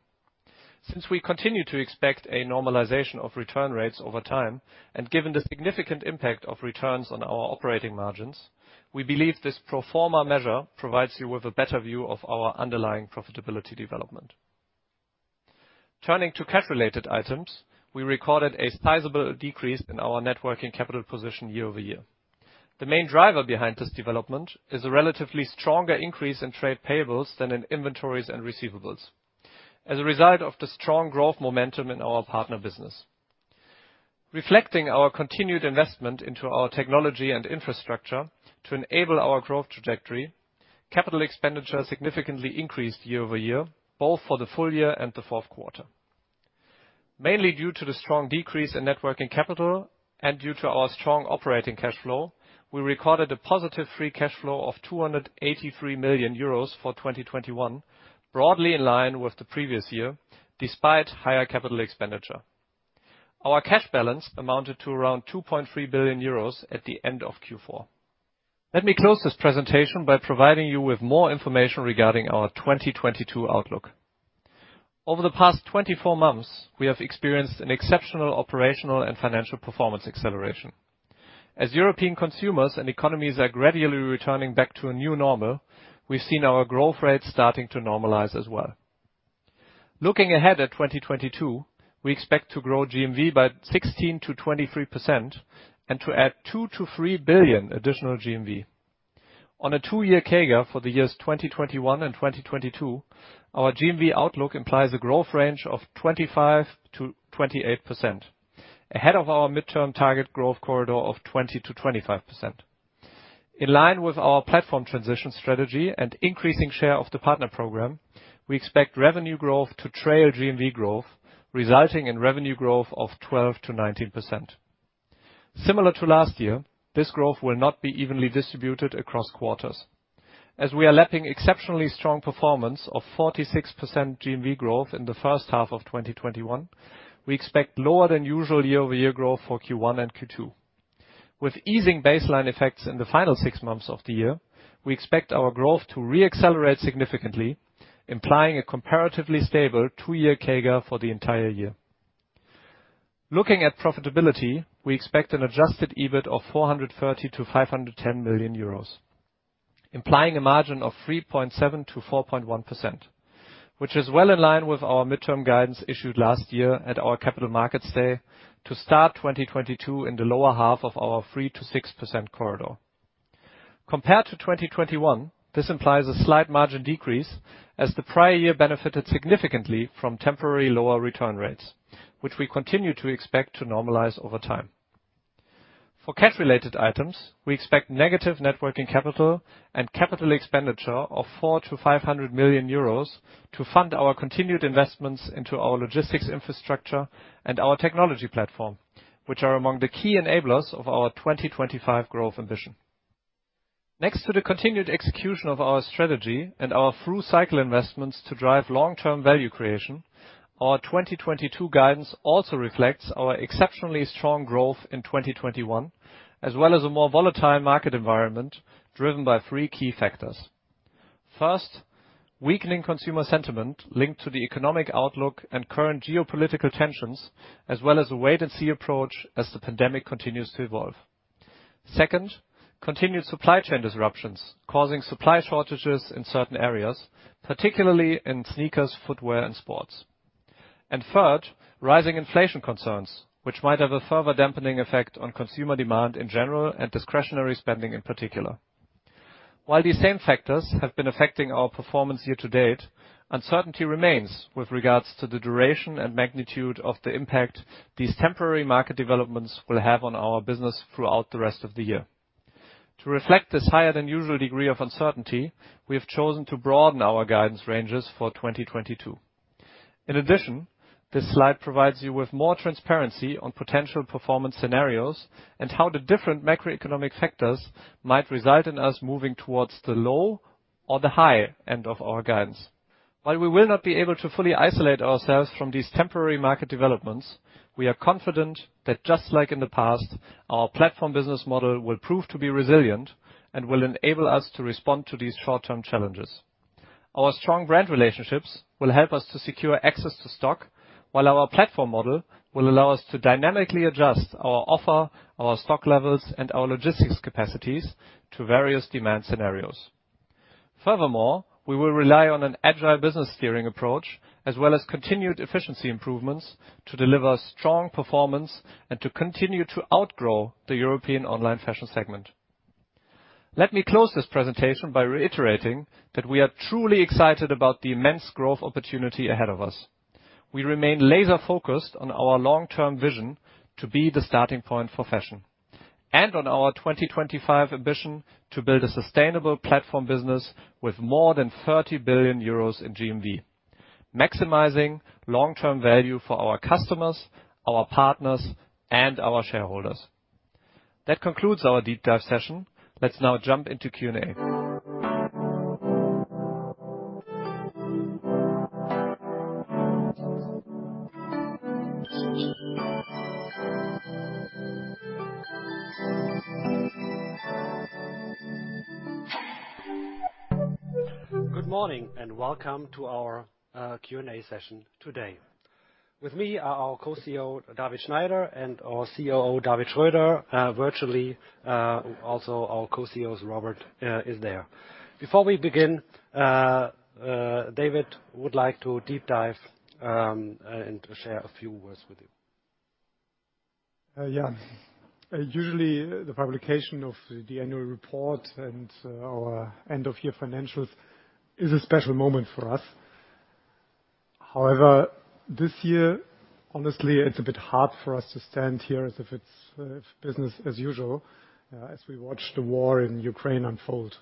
Since we continue to expect a normalization of return rates over time, and given the significant impact of returns on our operating margins, we believe this pro forma measure provides you with a better view of our underlying profitability development. Turning to cash-related items, we recorded a sizable decrease in our net working capital position year-over-year. The main driver behind this development is a relatively stronger increase in trade payables than in inventories and receivables as a result of the strong growth momentum in our partner business. Reflecting our continued investment into our technology and infrastructure to enable our growth trajectory, capital expenditure significantly increased year-over-year, both for the full year and the fourth quarter. Mainly due to the strong decrease in net working capital and due to our strong operating cash flow, we recorded a positive free cash flow of 283 million euros for 2021, broadly in line with the previous year, despite higher capital expenditure. Our cash balance amounted to around 2.3 billion euros at the end of Q4. Let me close this presentation by providing you with more information regarding our 2022 outlook. Over the past 24 months, we have experienced an exceptional operational and financial performance acceleration. As European consumers and economies are gradually returning back to a new normal, we've seen our growth rates starting to normalize as well. Looking ahead at 2022, we expect to grow GMV by 16%-23% and to add 2 billion-3 billion additional GMV. On a two-year CAGR for the years 2021 and 2022, our GMV outlook implies a growth range of 25%-28%, ahead of our midterm target growth corridor of 20%-25%. In line with our platform transition strategy and increasing share of the partner program, we expect revenue growth to trail GMV growth, resulting in revenue growth of 12%-19%. Similar to last year, this growth will not be evenly distributed across quarters. As we are lapping exceptionally strong performance of 46% GMV growth in the first half of 2021, we expect lower than usual year-over-year growth for Q1 and Q2. With easing baseline effects in the final six months of the year, we expect our growth to re-accelerate significantly, implying a comparatively stable two-year CAGR for the entire year. Looking at profitability, we expect an adjusted EBIT of 430 million-510 million euros, implying a margin of 3.7%-4.1%, which is well in line with our midterm guidance issued last year at our capital markets day to start 2022 in the lower half of our 3%-6% corridor. Compared to 2021, this implies a slight margin decrease as the prior year benefited significantly from temporary lower return rates, which we continue to expect to normalize over time. For cash-related items, we expect negative net working capital and capital expenditure of 400 million-500 million euros to fund our continued investments into our logistics infrastructure and our technology platform, which are among the key enablers of our 2025 growth ambition. Next to the continued execution of our strategy and our through-cycle investments to drive long-term value creation, our 2022 guidance also reflects our exceptionally strong growth in 2021, as well as a more volatile market environment driven by three key factors. First, weakening consumer sentiment linked to the economic outlook and current geopolitical tensions, as well as a wait-and-see approach as the pandemic continues to evolve. Second, continued supply chain disruptions causing supply shortages in certain areas, particularly in sneakers, footwear, and sports. Third, rising inflation concerns, which might have a further dampening effect on consumer demand in general and discretionary spending in particular. While these same factors have been affecting our performance year to date, uncertainty remains with regards to the duration and magnitude of the impact these temporary market developments will have on our business throughout the rest of the year. To reflect this higher than usual degree of uncertainty, we have chosen to broaden our guidance ranges for 2022. In addition, this slide provides you with more transparency on potential performance scenarios and how the different macroeconomic factors might result in us moving towards the low or the high end of our guidance. While we will not be able to fully isolate ourselves from these temporary market developments, we are confident that just like in the past, our platform business model will prove to be resilient and will enable us to respond to these short-term challenges. Our strong brand relationships will help us to secure access to stock, while our platform model will allow us to dynamically adjust our offer, our stock levels, and our logistics capacities to various demand scenarios. Furthermore, we will rely on an agile business steering approach as well as continued efficiency improvements to deliver strong performance and to continue to outgrow the European online fashion segment. Let me close this presentation by reiterating that we are truly excited about the immense growth opportunity ahead of us. We remain laser-focused on our long-term vision to be the starting point for fashion, and on our 2025 ambition to build a sustainable platform business with more than 30 billion euros in GMV, maximizing long-term value for our customers, our partners, and our shareholders. That concludes our deep dive session. Let's now jump into Q&A. Good morning and welcome to our Q&A session today. With me are our Co-CEO, David Schneider, and our COO, David Schröder. Virtually, also our Co-CEO, Robert, is there. Before we begin, David would like to deep dive and to share a few words with you. Yeah. Usually the publication of the annual report and our end of year financials is a special moment for us. However, this year, honestly, it's a bit hard for us to stand here as if it's business as usual, as we watch the war in Ukraine unfold.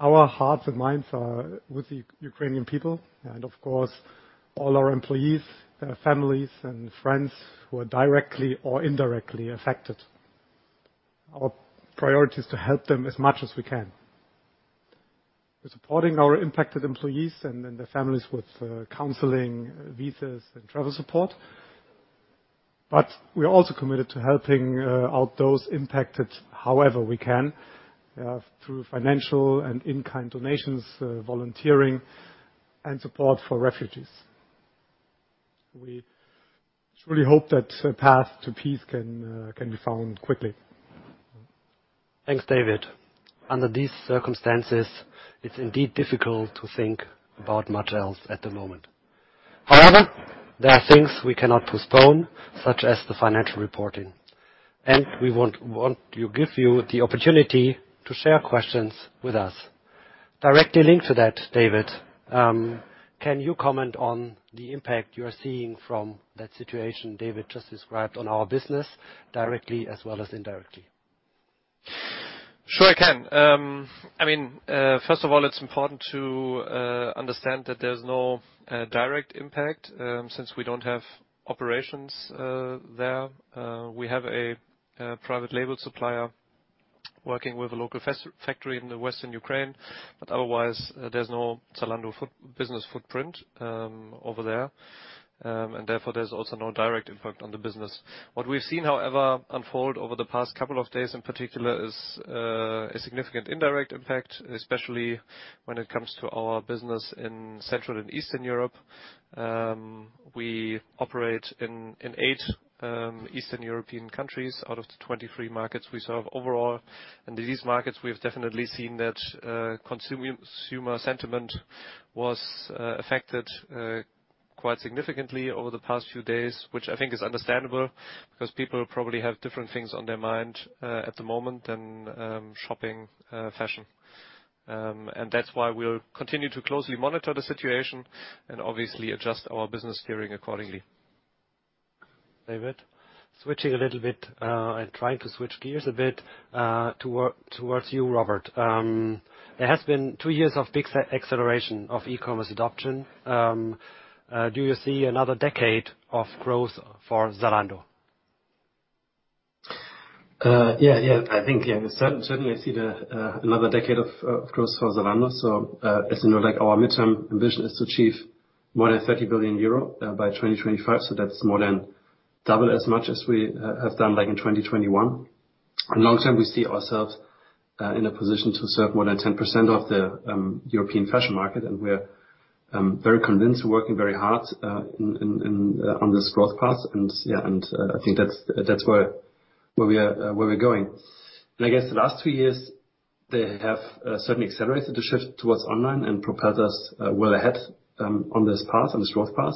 Our hearts and minds are with the Ukrainian people and of course, all our employees, their families and friends who are directly or indirectly affected. Our priority is to help them as much as we can. We're supporting our impacted employees and then their families with counseling, visas, and travel support. But we are also committed to helping out those impacted however we can, through financial and in-kind donations, volunteering, and support for refugees. We truly hope that a path to peace can be found quickly. Thanks, David. Under these circumstances, it's indeed difficult to think about much else at the moment. However, there are things we cannot postpone, such as the financial reporting, and we want to give you the opportunity to share questions with us. Directly linked to that, David, can you comment on the impact you are seeing from that situation David just described on our business directly as well as indirectly? Sure, I can. I mean, first of all, it's important to understand that there's no direct impact since we don't have operations there. We have a private label supplier working with a local factory in the western Ukraine, but otherwise there's no Zalando business footprint over there. Therefore, there's also no direct impact on the business. What we've seen, however, unfold over the past couple of days in particular is a significant indirect impact, especially when it comes to our business in Central and Eastern Europe. We operate in eight Eastern European countries out of the 23 markets we serve overall. In these markets we have definitely seen that consumer sentiment was affected quite significantly over the past few days, which I think is understandable, because people probably have different things on their mind at the moment than shopping fashion. That's why we'll continue to closely monitor the situation and obviously adjust our business steering accordingly. David. Switching a little bit and trying to switch gears a bit, towards you, Robert. There has been two years of big acceleration of e-commerce adoption. Do you see another decade of growth for Zalando? Yeah. I think, yeah, certainly I see another decade of growth for Zalando. As you know, like, our midterm vision is to achieve more than 30 billion euro by 2025, so that's more than double as much as we have done, like, in 2021. Long term, we see ourselves in a position to serve more than 10% of the European fashion market, and we're very convinced, working very hard on this growth path. I think that's where we are, where we're going. I guess the last two years, they have certainly accelerated the shift towards online and propelled us well ahead on this path, on this growth path.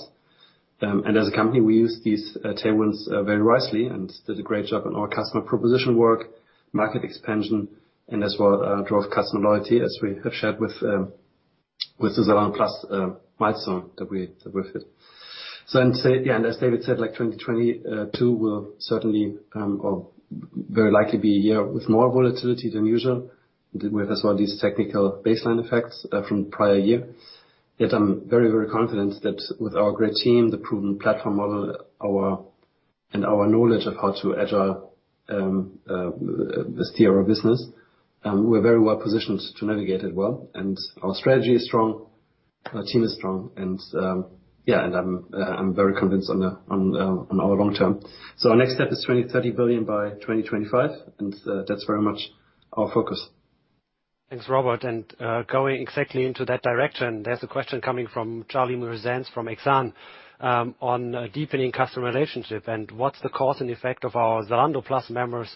As a company, we use these tailwinds very wisely and did a great job on our customer proposition work, market expansion, and as well drove customer loyalty as we have shared with the Zalando Plus milestone that we've hit. As David said, like, 2022 will certainly or very likely be a year with more volatility than usual. We have as well these technical baseline effects from prior year. Yet I'm very confident that with our great team, the proven platform model, our knowledge of how to agile steer our business, we're very well positioned to navigate it well. Our strategy is strong, our team is strong, and I'm very convinced on our long term. Our next step is 30 billion by 2025, and that's very much our focus. Thanks, Robert. Going exactly into that direction, there's a question coming from Charlie Muir-Sands from Exane on deepening customer relationship and what's the cause and effect of our Zalando Plus members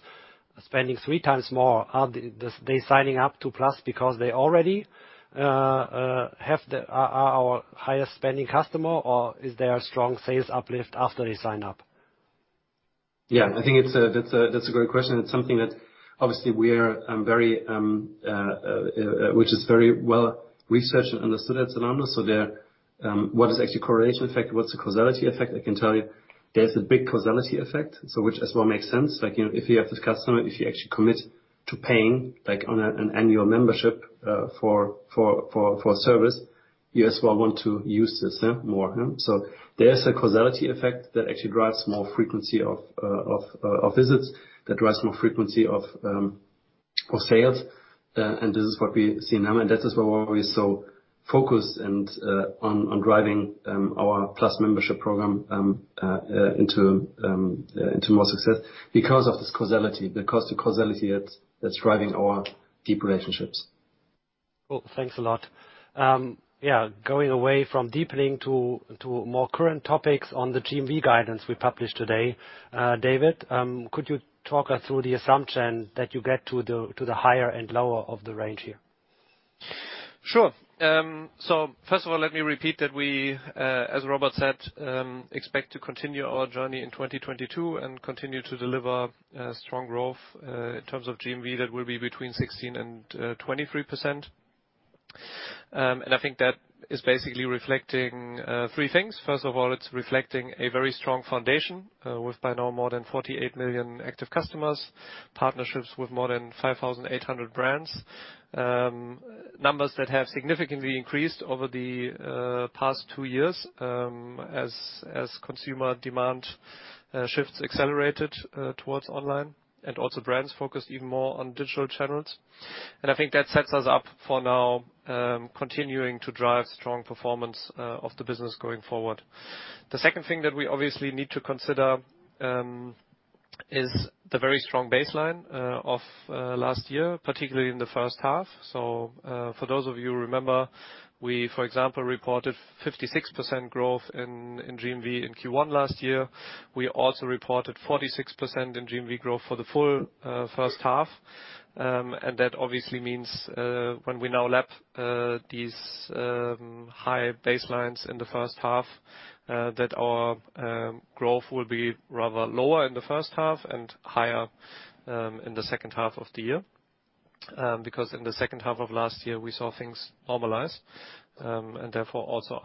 spending three times more. Are they signing up to Plus because they already are our highest spending customer, or is there a strong sales uplift after they sign up? Yeah. I think that's a great question. It's something that obviously which is very well researched and understood at Zalando. What is actually correlation effect? What's the causality effect? I can tell you there's a big causality effect, so which as well makes sense. Like, you know, if you have this customer, if you actually commit to paying, like, on an annual membership for service, you as well want to use the same more, yeah? There's a causality effect that actually drives more frequency of visits, that drives more frequency of sales. This is what we see now, and that is why we're always so focused on driving our Plus membership program into more success because of this causality that's driving our deep relationships. Cool. Thanks a lot. Going away from deepening to more current topics on the GMV guidance we published today. David, could you talk us through the assumption that you get to the higher and lower of the range here? Sure. First of all, let me repeat that we, as Robert said, expect to continue our journey in 2022 and continue to deliver strong growth in terms of GMV that will be between 16% and 23%. I think that is basically reflecting three things. First of all, it's reflecting a very strong foundation with by now more than 48 million active customers, partnerships with more than 5,800 brands. Numbers that have significantly increased over the past two years, as consumer demand shifts accelerated towards online, and also brands focused even more on digital channels. I think that sets us up for now continuing to drive strong performance of the business going forward. The second thing that we obviously need to consider is the very strong baseline of last year, particularly in the first half. For those of you who remember, we, for example, reported 56% growth in GMV in Q1 last year. We also reported 46% growth in GMV for the full first half. That obviously means when we now lap these high baselines in the first half that our growth will be rather lower in the first half and higher in the second half of the year. Because in the second half of last year, we saw things normalize and therefore also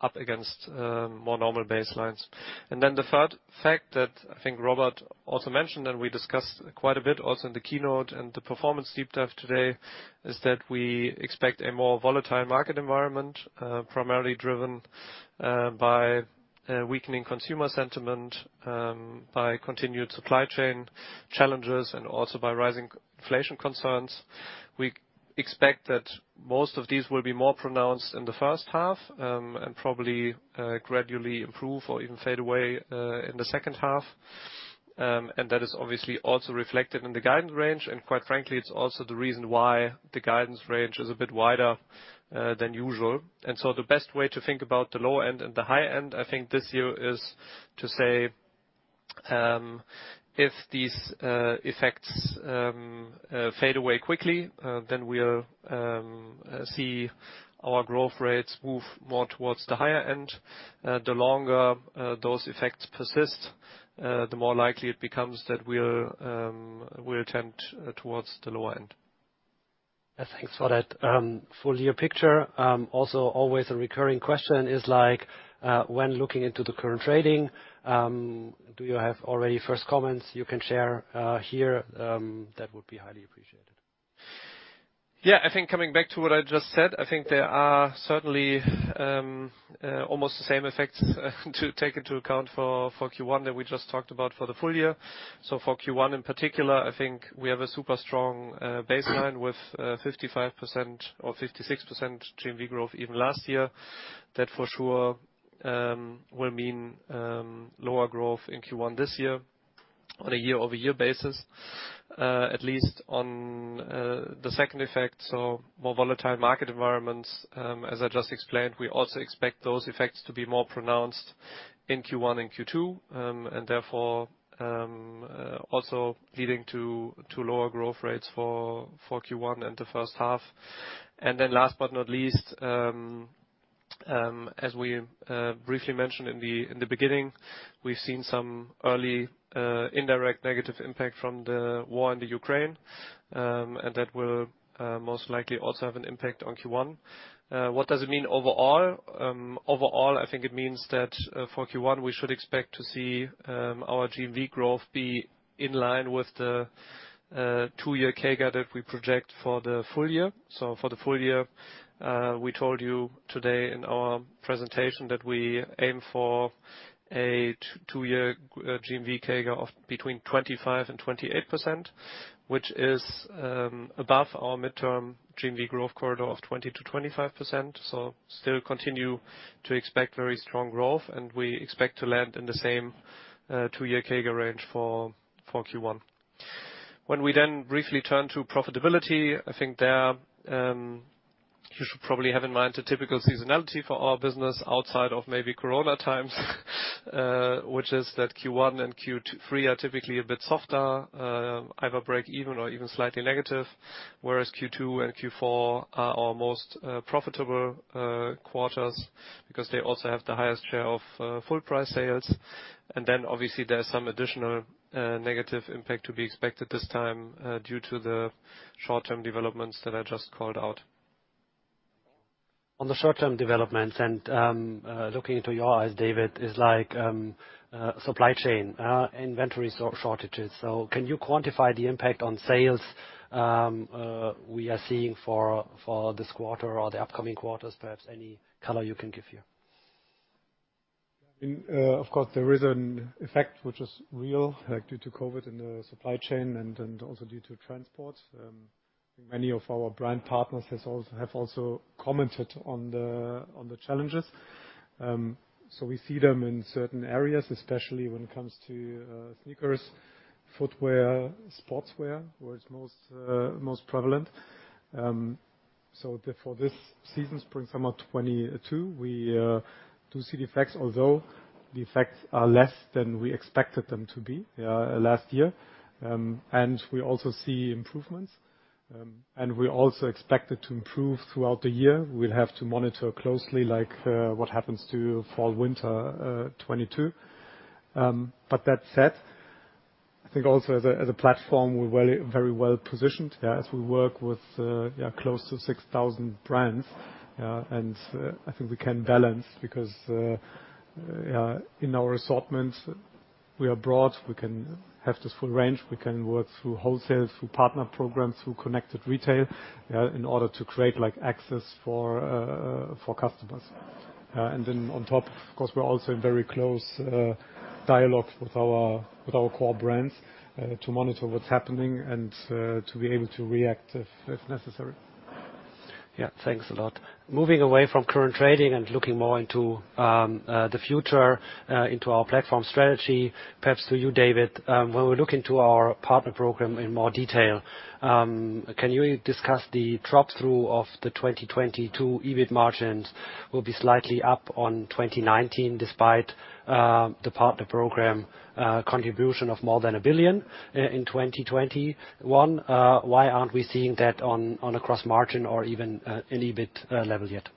up against more normal baselines. The third fact that I think Robert also mentioned, and we discussed quite a bit also in the keynote and the performance deep dive today, is that we expect a more volatile market environment, primarily driven by weakening consumer sentiment, by continued supply chain challenges, and also by rising inflation concerns. We expect that most of these will be more pronounced in the first half, and probably gradually improve or even fade away in the second half. That is obviously also reflected in the guidance range, and quite frankly, it's also the reason why the guidance range is a bit wider than usual. The best way to think about the low end and the high end, I think this year, is to say, if these effects fade away quickly, then we'll see our growth rates move more towards the higher end. The longer those effects persist, the more likely it becomes that we'll tend towards the lower end. Thanks for that, full year picture. Also always a recurring question is like, when looking into the current trading, do you have already first comments you can share, here? That would be highly appreciated. Yeah. I think coming back to what I just said, I think there are certainly almost the same effects to take into account for Q1 that we just talked about for the full year. For Q1 in particular, I think we have a super strong baseline with 55% or 56% GMV growth even last year. That for sure will mean lower growth in Q1 this year on a year-over-year basis. At least on the second effect, more volatile market environments, as I just explained, we also expect those effects to be more pronounced in Q1 and Q2. Therefore also leading to lower growth rates for Q1 and the first half. Last but not least, as we briefly mentioned in the beginning, we've seen some early indirect negative impact from the war in the Ukraine, and that will most likely also have an impact on Q1. What does it mean overall? Overall, I think it means that for Q1, we should expect to see our GMV growth be in line with the two-year CAGR that we project for the full year. For the full year, we told you today in our presentation that we aim for a two-year GMV CAGR of between 25% and 28%, which is above our midterm GMV growth corridor of 20%-25%. Still continue to expect very strong growth, and we expect to land in the same two-year CAGR range for Q1. When we then briefly turn to profitability, I think there, you should probably have in mind the typical seasonality for our business outside of maybe Corona times, which is that Q1 and Q3 are typically a bit softer, either break even or even slightly negative, whereas Q2 and Q4 are our most profitable quarters because they also have the highest share of full price sales. Obviously, there's some additional negative impact to be expected this time, due to the short-term developments that I just called out. On the short-term developments and looking at your slides, David, is like supply chain inventory shortages. Can you quantify the impact on sales we are seeing for this quarter or the upcoming quarters? Perhaps any color you can give here. Of course, there is an effect which is real, like due to COVID in the supply chain and also due to transport. Many of our brand partners have also commented on the challenges. We see them in certain areas, especially when it comes to sneakers, footwear, sportswear, where it's most prevalent. Therefore this season, spring/summer 2022, we do see the effects, although the effects are less than we expected them to be last year. We also see improvements. We also expect it to improve throughout the year. We'll have to monitor closely, like what happens to fall/winter 2022. That said, I think also as a platform, we're very, very well positioned as we work with yeah, close to 6,000 brands. I think we can balance because in our assortment, we are broad. We can have this full range. We can work through wholesale, through partner programs, through Connected Retail in order to create like access for customers. On top, of course, we're also in very close dialogue with our core brands to monitor what's happening and to be able to react if necessary. Yeah. Thanks a lot. Moving away from current trading and looking more into the future into our platform strategy, perhaps to you, David. When we look into our partner program in more detail, can you discuss that the 2022 EBIT margins will be slightly up on 2019 despite the partner program contribution of more than 1 billion in 2021. Why aren't we seeing that on a gross margin or even in EBIT level yet?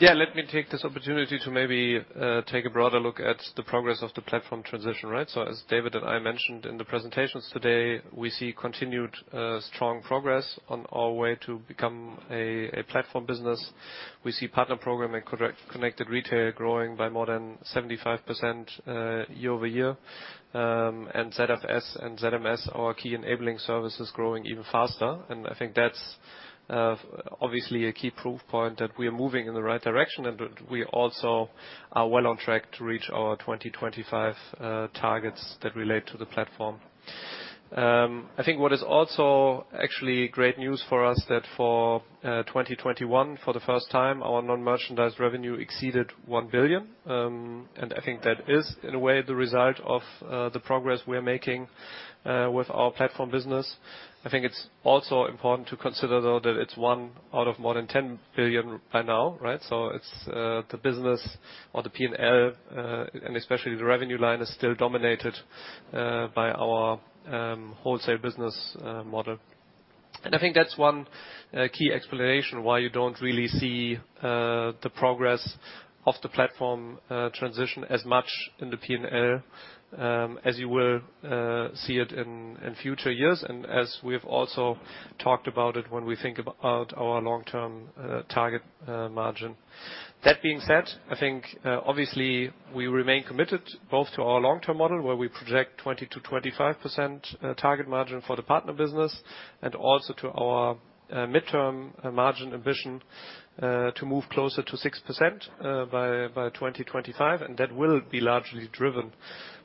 Yeah, let me take this opportunity to maybe take a broader look at the progress of the platform transition, right? As David and I mentioned in the presentations today, we see continued strong progress on our way to become a platform business. We see partner program and Connected Retail growing by more than 75%, year-over-year. ZFS and ZMS, our key enabling services, growing even faster. I think that's obviously a key proof point that we are moving in the right direction, and we also are well on track to reach our 2025 targets that relate to the platform. I think what is also actually great news for us that for 2021, for the first time, our non-merchandise revenue exceeded 1 billion. I think that is, in a way, the result of the progress we are making with our platform business. I think it's also important to consider, though, that it's one out of more than 10 billion by now, right? It's the business or the P&L, and especially the revenue line is still dominated by our wholesale business model. I think that's one key explanation why you don't really see the progress of the platform transition as much in the P&L as you will see it in future years. We have also talked about it when we think about our long-term target margin. That being said, I think, obviously we remain committed both to our long-term model, where we project 20%-25% target margin for the partner business, and also to our midterm margin ambition to move closer to 6% by 2025. That will be largely driven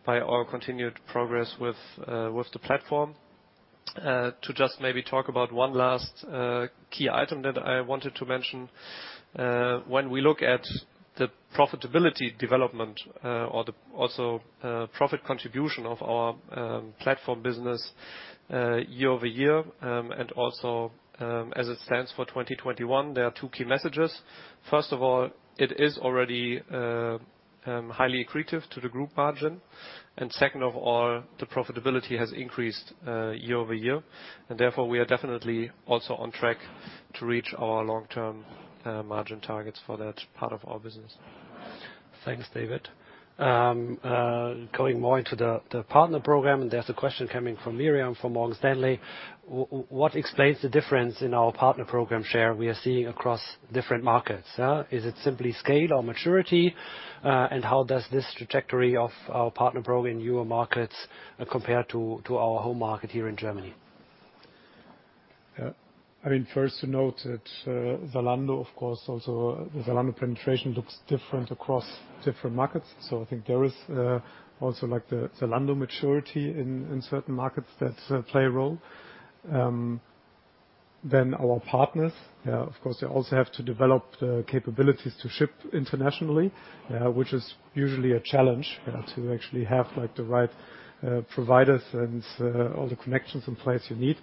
by our continued progress with the platform. To just maybe talk about one last key item that I wanted to mention. When we look at the profitability development or also profit contribution of our platform business year over year and also as it stands for 2021, there are two key messages. First of all, it is already highly accretive to the group margin. Second of all, the profitability has increased year-over-year, and therefore, we are definitely also on track to reach our long-term margin targets for that part of our business. Thanks, David. Going more into the partner program, there's a question coming from Miriam from Morgan Stanley. What explains the difference in our partner program share we are seeing across different markets? Is it simply scale or maturity? How does this trajectory of our partner program in newer markets compare to our home market here in Germany? Yeah. I mean, first to note that Zalando, of course, also the Zalando penetration looks different across different markets. I think there is also like the Zalando maturity in certain markets that play a role. Then our partners, of course, they also have to develop the capabilities to ship internationally, which is usually a challenge to actually have, like, the right providers and all the connections in place you need.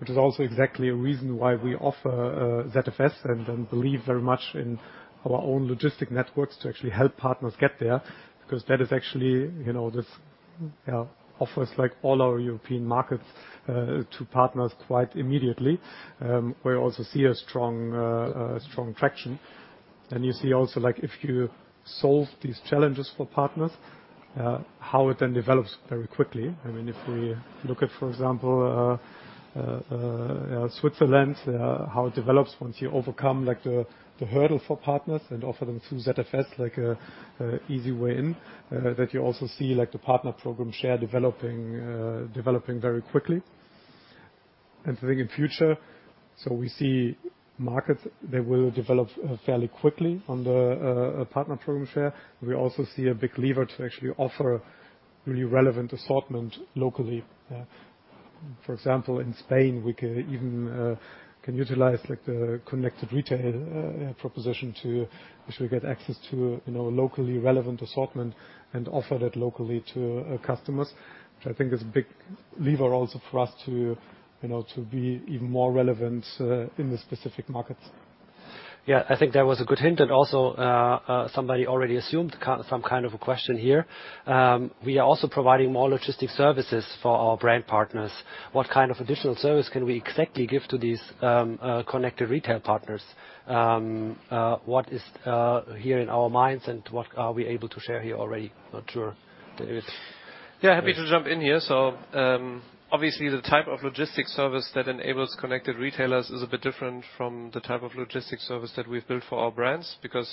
Which is also exactly a reason why we offer ZFS and believe very much in our own logistics networks to actually help partners get there, because that is actually, you know, this, you know, offers like all our European markets to partners quite immediately. We also see a strong traction. You see also, like, if you solve these challenges for partners, how it then develops very quickly. I mean, if we look at, for example, Switzerland, how it develops once you overcome, like, the hurdle for partners and offer them through ZFS, like, an easy way in, that you also see, like, the partner program share developing very quickly. I think in future, so we see markets that will develop fairly quickly on the partner program share. We also see a big lever to actually offer really relevant assortment locally. For example, in Spain, we can even utilize, like, the Connected Retail proposition to actually get access to, you know, locally relevant assortment and offer that locally to customers. Which I think is a big lever also for us to, you know, to be even more relevant in the specific markets. Yeah. I think that was a good hint, and also, somebody already assumed some kind of a question here. We are also providing more logistics services for our brand partners. What kind of additional service can we exactly give to these Connected Retail partners? What is here in our minds and what are we able to share here already? Not sure. David. Yeah, happy to jump in here. Obviously the type of logistics service that enables connected retailers is a bit different from the type of logistics service that we've built for our brands because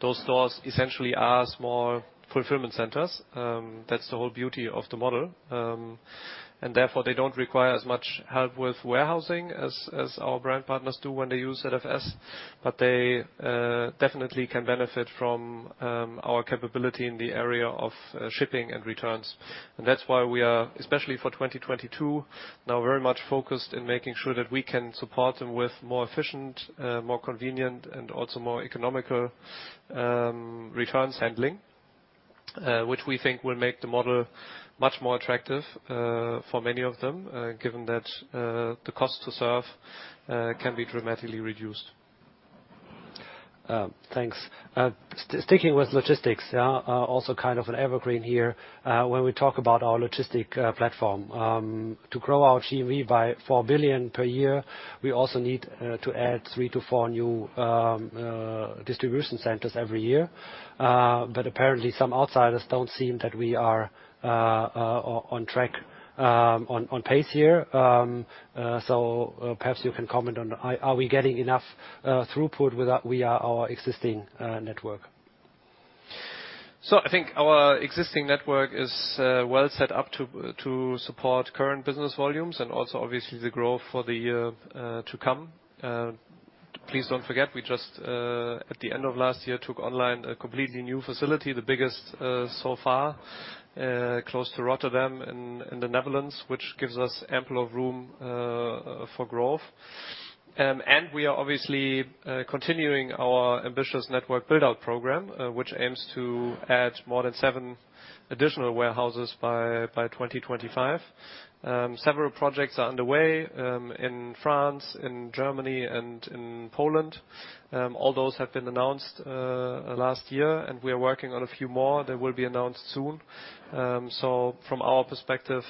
those stores essentially are small fulfillment centers. That's the whole beauty of the model. Therefore, they don't require as much help with warehousing as our brand partners do when they use ZFS. But they definitely can benefit from our capability in the area of shipping and returns. That's why we are, especially for 2022, now very much focused in making sure that we can support them with more efficient, more convenient and also more economical returns handling. which we think will make the model much more attractive for many of them, given that the cost to serve can be dramatically reduced. Sticking with logistics, also kind of an evergreen here, when we talk about our logistics platform. To grow our GMV by 4 billion per year, we also need to add 3-4 new distribution centers every year. But apparently some outsiders don't seem that we are on track, on pace here. Perhaps you can comment on are we getting enough throughput with that via our existing network? I think our existing network is well set up to support current business volumes and also obviously the growth for the year to come. Please don't forget, we just at the end of last year took online a completely new facility, the biggest so far, close to Rotterdam in the Netherlands, which gives us ample room for growth. We are obviously continuing our ambitious network build-out program, which aims to add more than seven additional warehouses by 2025. Several projects are underway in France, in Germany, and in Poland. All those have been announced last year, and we are working on a few more that will be announced soon. From our perspective,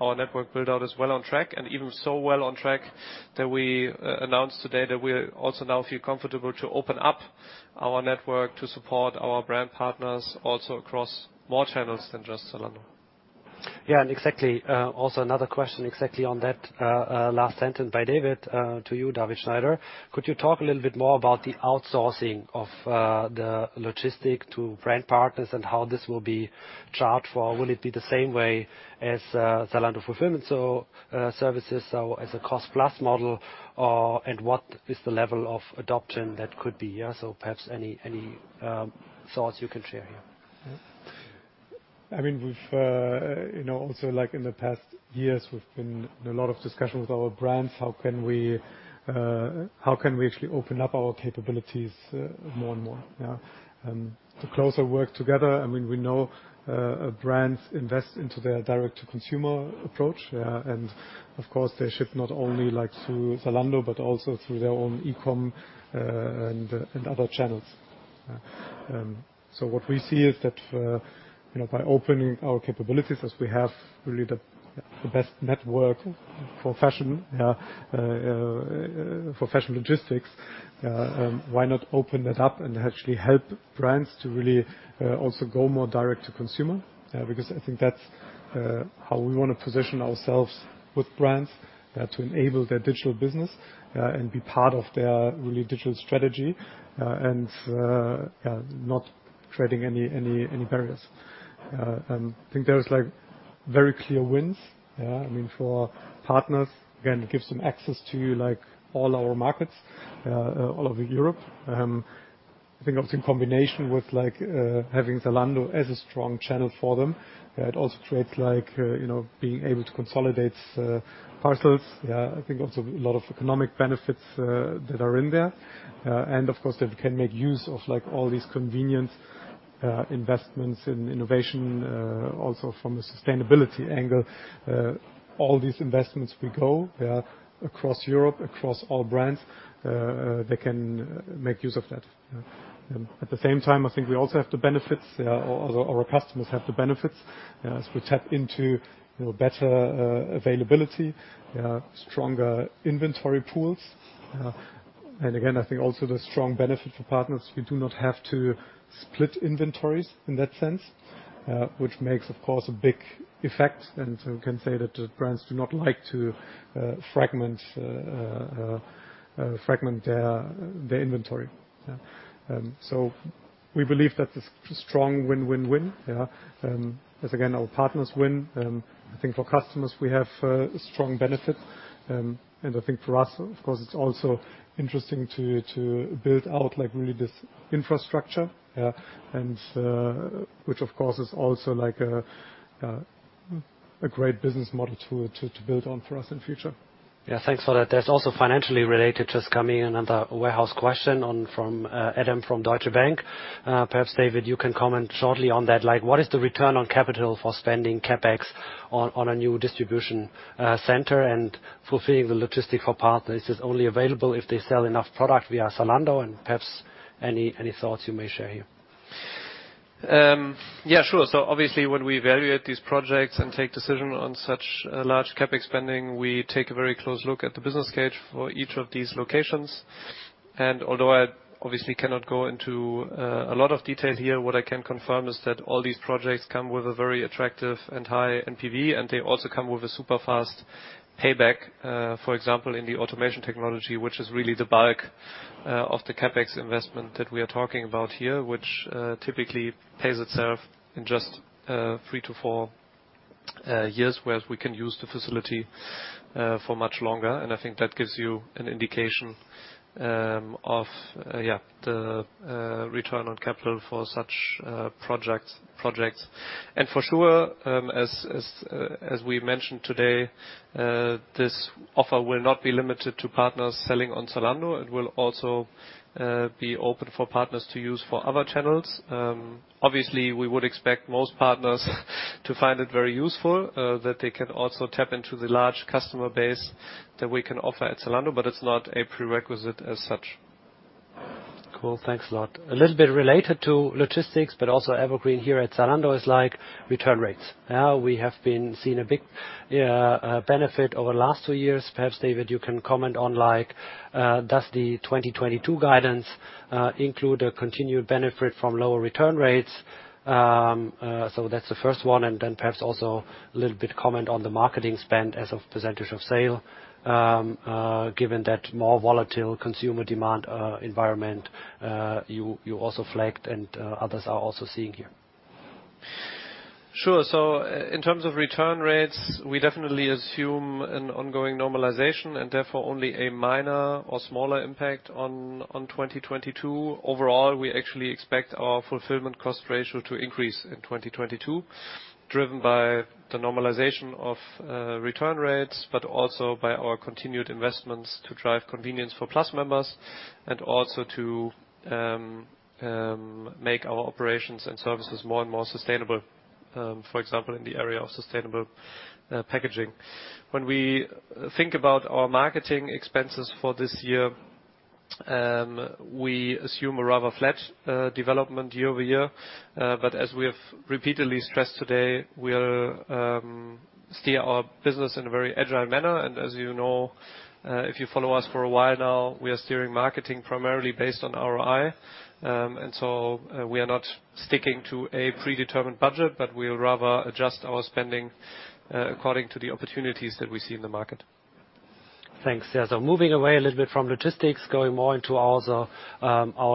our network build-out is well on track and even so well on track that we announce today that we also now feel comfortable to open up our network to support our brand partners also across more channels than just Zalando. Exactly. Also another question exactly on that last sentence by David to you, David Schneider. Could you talk a little bit more about the outsourcing of the logistics to brand partners and how this will be charged for? Will it be the same way as Zalando Fulfillment services, so as a cost plus model, or and what is the level of adoption that could be. Perhaps any thoughts you can share here. I mean, we've, you know, also like in the past years, we've been in a lot of discussion with our brands, how can we actually open up our capabilities more and more. To closer work together, I mean, we know, brands invest into their direct to consumer approach, and of course, they ship not only like through Zalando, but also through their own eCom, and other channels. So what we see is that, you know, by opening our capabilities as we have really the best network for fashion, for fashion logistics, why not open that up and actually help brands to really, also go more direct to consumer? Because I think that's how we wanna position ourselves with brands to enable their digital business and be part of their really digital strategy and not creating any barriers. I think there is like very clear wins, I mean, for partners. Again, it gives them access to like all our markets all over Europe. I think obviously in combination with like having Zalando as a strong channel for them, it also creates like, you know, being able to consolidate parcels. Yeah, I think also a lot of economic benefits that are in there. Of course, they can make use of like all these convenient investments in innovation also from a sustainability angle. All these investments we grow across Europe, across all brands, they can make use of that. At the same time, I think we also have the benefits, or our customers have the benefits, as we tap into, you know, better availability, stronger inventory pools. Again, I think also the strong benefit for partners, we do not have to split inventories in that sense, which makes, of course, a big effect. We can say that brands do not like to fragment their inventory. We believe that's a strong win-win-win. As again, our partners win. I think for customers, we have a strong benefit. I think for us, of course, it's also interesting to build out like really this infrastructure, yeah, and a great business model to build on for us in future. Yeah. Thanks for that. There's also a financially related question just coming in, a warehouse question from Adam from Deutsche Bank. Perhaps, David, you can comment shortly on that. Like, what is the return on capital for spending CapEx on a new distribution center and fulfilling the logistics for partners? Is only available if they sell enough product via Zalando? And perhaps any thoughts you may share here? Sure. Obviously, when we evaluate these projects and take decision on such a large CapEx spending, we take a very close look at the business case for each of these locations. Although I obviously cannot go into a lot of detail here, what I can confirm is that all these projects come with a very attractive and high NPV, and they also come with a super fast payback, for example, in the automation technology, which is really the bulk of the CapEx investment that we are talking about here, which typically pays itself in just 3-4 years, whereas we can use the facility for much longer. I think that gives you an indication of the return on capital for such projects. For sure, as we mentioned today, this offer will not be limited to partners selling on Zalando. It will also be open for partners to use for other channels. Obviously, we would expect most partners to find it very useful that they can also tap into the large customer base that we can offer at Zalando, but it's not a prerequisite as such. Cool. Thanks a lot. A little bit related to logistics, but also evergreen here at Zalando is like return rates. Now we have been seeing a big benefit over the last two years. Perhaps, David, you can comment on like, does the 2022 guidance include a continued benefit from lower return rates? That's the first one, and then perhaps also a little bit comment on the marketing spend as a percentage of sales, given the more volatile consumer demand environment, you also flagged and others are also seeing here. Sure. In terms of return rates, we definitely assume an ongoing normalization and therefore only a minor or smaller impact on 2022. Overall, we actually expect our fulfillment cost ratio to increase in 2022, driven by the normalization of return rates, but also by our continued investments to drive convenience for Plus members and also to make our operations and services more and more sustainable, for example, in the area of sustainable packaging. When we think about our marketing expenses for this year, we assume a rather flat development year-over-year. As we have repeatedly stressed today, we'll steer our business in a very agile manner. As you know, if you follow us for a while now, we are steering marketing primarily based on ROI. We are not sticking to a predetermined budget, but we'll rather adjust our spending according to the opportunities that we see in the market. Thanks. Yeah. Moving away a little bit from logistics, going more into our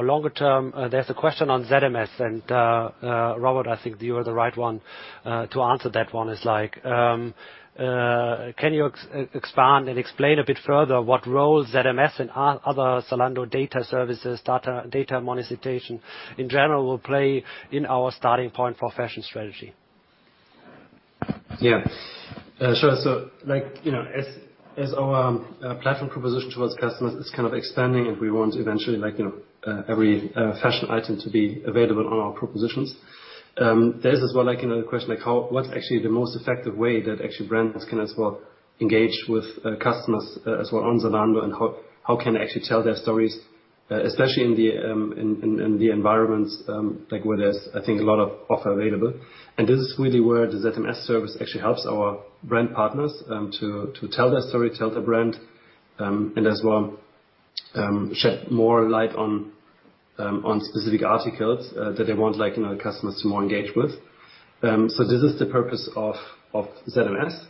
longer term, there's a question on ZMS, and Robert, I think you are the right one to answer that one is like, can you expand and explain a bit further what role ZMS and other Zalando data services, data monetization in general will play in our starting point for fashion strategy? Yeah. Sure. Like, you know, as our platform proposition towards customers is kind of expanding and we want eventually, like, you know, every fashion item to be available on our propositions. There's as well, like, you know, the question like, what's actually the most effective way that actually brands can as well engage with customers as well on Zalando and how can they actually tell their stories, especially in the environments like, where there's, I think, a lot of offer available. This is really where the ZMS service actually helps our brand partners to tell their story, tell their brand, and as well shed more light on specific articles that they want, like, you know, the customers to more engage with. This is the purpose of ZMS.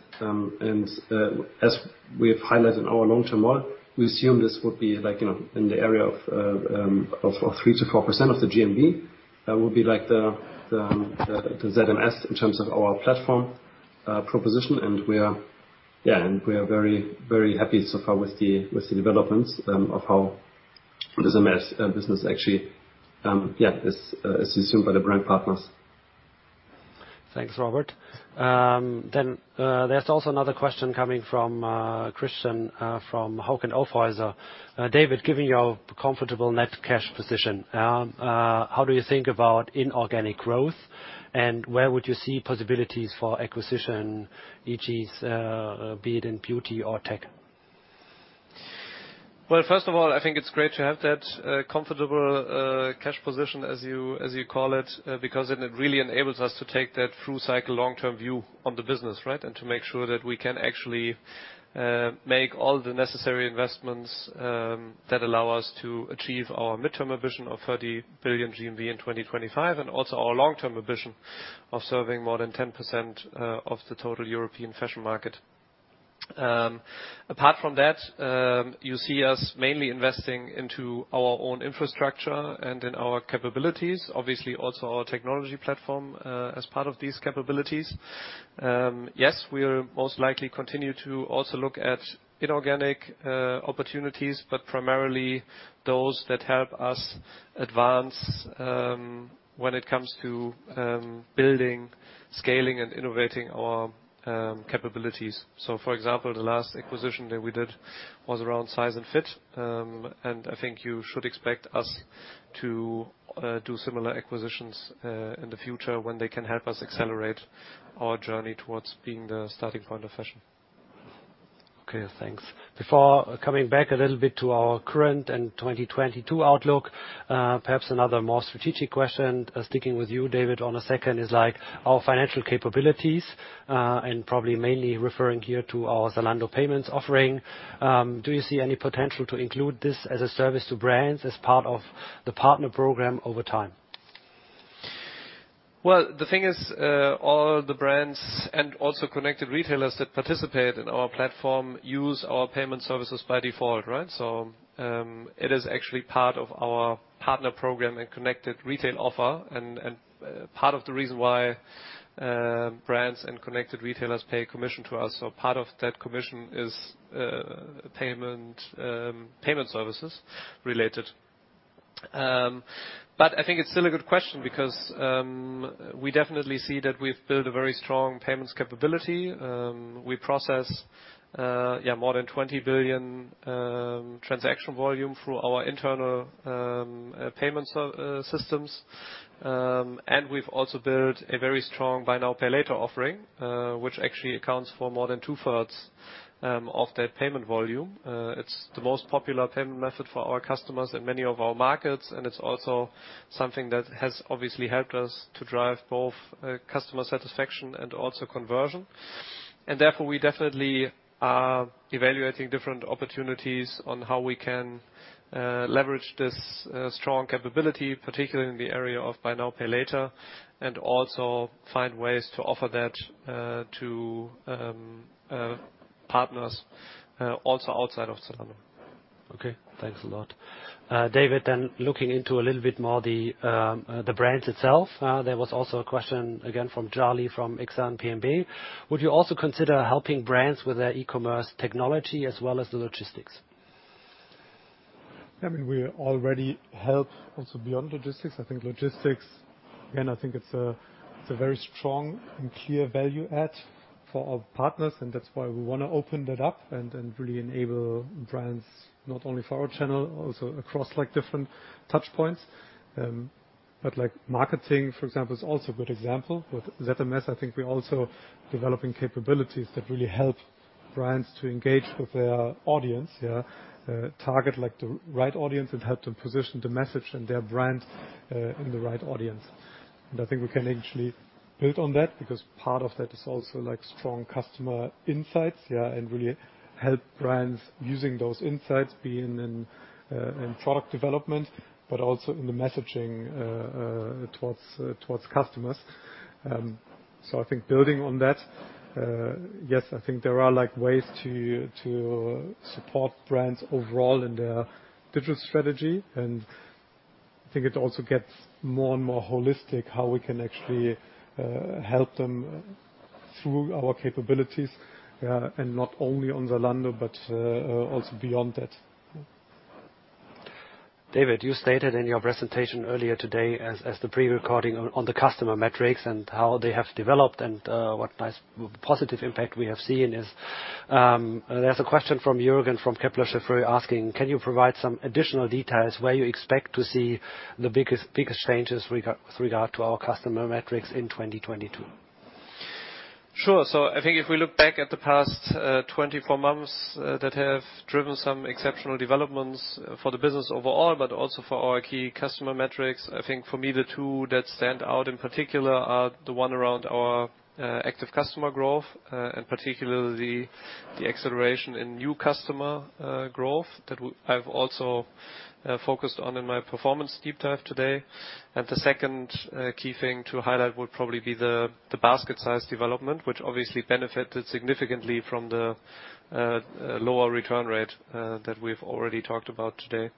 As we have highlighted in our long-term model, we assume this would be like, you know, in the area of 3%-4% of the GMV. That would be like the ZMS in terms of our platform proposition. We are very, very happy so far with the developments of how ZMS business actually is assumed by the brand partners. Thanks, Robert. There's also another question coming from Christian, from Hauck & Aufhäuser. David, given your comfortable net cash position, how do you think about inorganic growth, and where would you see possibilities for acquisition, e.g., be it in beauty or tech? Well, first of all, I think it's great to have that comfortable cash position, as you call it, because then it really enables us to take that full cycle long-term view on the business, right? And to make sure that we can actually make all the necessary investments that allow us to achieve our midterm ambition of 30 billion GMV in 2025, and also our long-term ambition of serving more than 10% of the total European fashion market. Apart from that, you see us mainly investing into our own infrastructure and in our capabilities, obviously also our technology platform, as part of these capabilities. Yes, we'll most likely continue to also look at inorganic opportunities, but primarily those that help us advance when it comes to building, scaling, and innovating our capabilities. For example, the last acquisition that we did was around size and fit. I think you should expect us to do similar acquisitions in the future when they can help us accelerate our journey towards being the starting point of fashion. Okay, thanks. Before coming back a little bit to our current and 2022 outlook, perhaps another more strategic question, sticking with you, David, on a second is like our financial capabilities, and probably mainly referring here to our Zalando Payments offering. Do you see any potential to include this as a service to brands as part of the partner program over time? Well, the thing is, all the brands and also connected retailers that participate in our platform use our payment services by default, right? It is actually part of our partner program and Connected Retail offer and part of the reason why brands and connected retailers pay a commission to us. Part of that commission is payment services related. I think it's still a good question because we definitely see that we've built a very strong payments capability. We process more than 20 billion transaction volume through our internal payment systems. We've also built a very strong Buy Now, Pay Later offering, which actually accounts for more than two-thirds of that payment volume. It's the most popular payment method for our customers in many of our markets, and it's also something that has obviously helped us to drive both customer satisfaction and also conversion. Therefore we definitely are evaluating different opportunities on how we can leverage this strong capability, particularly in the area of Buy Now, Pay Later, and also find ways to offer that to partners also outside of Zalando. Okay, thanks a lot. David, looking into a little bit more the brands itself. There was also a question again from Charlie, from Exane BNP. Would you also consider helping brands with their e-commerce technology as well as the logistics? I mean, we already help also beyond logistics. I think logistics, again, it's a very strong and clear value add for our partners, and that's why we wanna open that up and really enable brands not only for our channel, also across, like, different touch points. Like marketing, for example, is also a good example. With ZMS, I think we're also developing capabilities that really help brands to engage with their audience. Target, like, the right audience and help them position the message and their brand in the right audience. I think we can actually build on that because part of that is also, like, strong customer insights, and really help brands using those insights, be in product development, but also in the messaging towards customers. I think building on that, yes, I think there are, like, ways to support brands overall in their digital strategy. I think it also gets more and more holistic how we can actually help them through our capabilities, and not only on Zalando but also beyond that. David, you stated in your presentation earlier today as the pre-recording on the customer metrics and how they have developed and what nice positive impact we have seen is. There's a question from Jürgen, from Kepler Cheuvreux asking: Can you provide some additional details where you expect to see the biggest changes with regard to our customer metrics in 2022? Sure. I think if we look back at the past 24 months that have driven some exceptional developments for the business overall, but also for our key customer metrics. I think for me, the two that stand out in particular are the one around our active customer growth and particularly the acceleration in new customer growth that I've also focused on in my performance deep dive today. The second key thing to highlight would probably be the basket size development, which obviously benefited significantly from the lower return rate that we've already talked about today.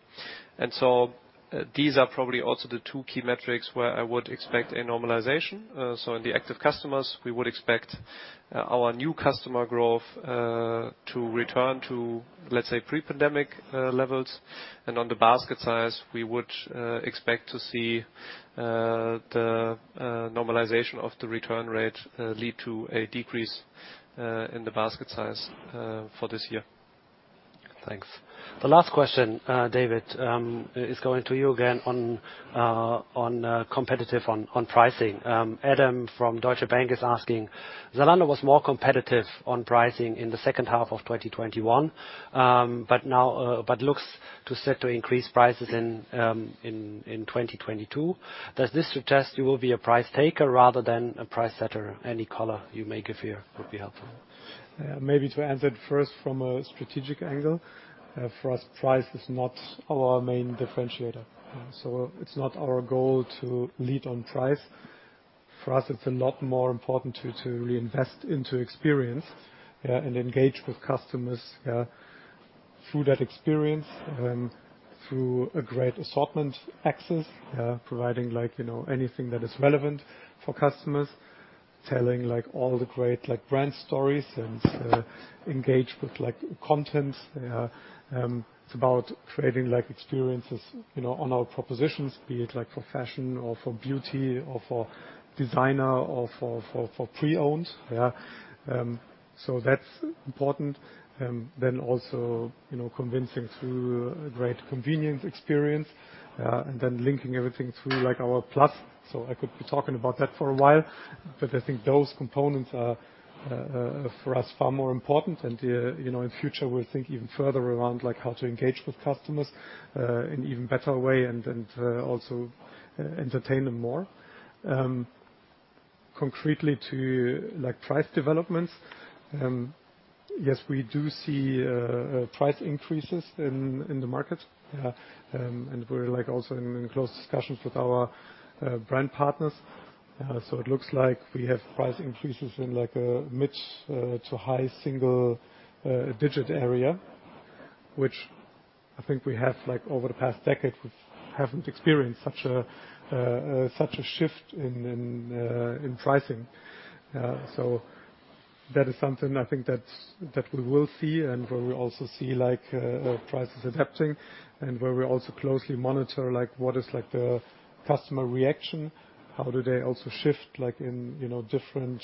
These are probably also the two key metrics where I would expect a normalization. In the active customers, we would expect our new customer growth to return to, let's say, pre-pandemic levels. On the basket size, we would expect to see the normalization of the return rate lead to a decrease in the basket size for this year. Thanks. The last question, David, is going to you again on competitive pricing. Adam from Deutsche Bank is asking, Zalando was more competitive on pricing in the second half of 2021, but now looks set to increase prices in 2022. Does this suggest you will be a price taker rather than a price setter? Any color you may give here would be helpful. Maybe to answer it first from a strategic angle. For us, price is not our main differentiator. It's not our goal to lead on price. For us, it's a lot more important to reinvest into experience and engage with customers through that experience and through a great assortment access, providing like, you know, anything that is relevant for customers. Telling, like, all the great, like, brand stories and engage with, like, content. It's about creating, like, experiences, you know, on our propositions, be it, like, for fashion or for beauty or for designer or for pre-owned. Yeah. That's important. Also, you know, convincing through a great convenience experience and then linking everything through, like, our plus. I could be talking about that for a while. I think those components are for us far more important. You know, in future, we'll think even further around, like, how to engage with customers in even better way and also entertain them more. Concretely to, like, price developments. Yes, we do see price increases in the market. We're, like, also in close discussions with our brand partners. It looks like we have price increases in, like, a mid- to high-single-digit area, which I think we have, like, over the past decade, we haven't experienced such a shift in pricing. That is something I think that we will see and where we also see, like, prices adapting and where we also closely monitor, like, what is, like, the customer reaction. How do they also shift, like in, you know, different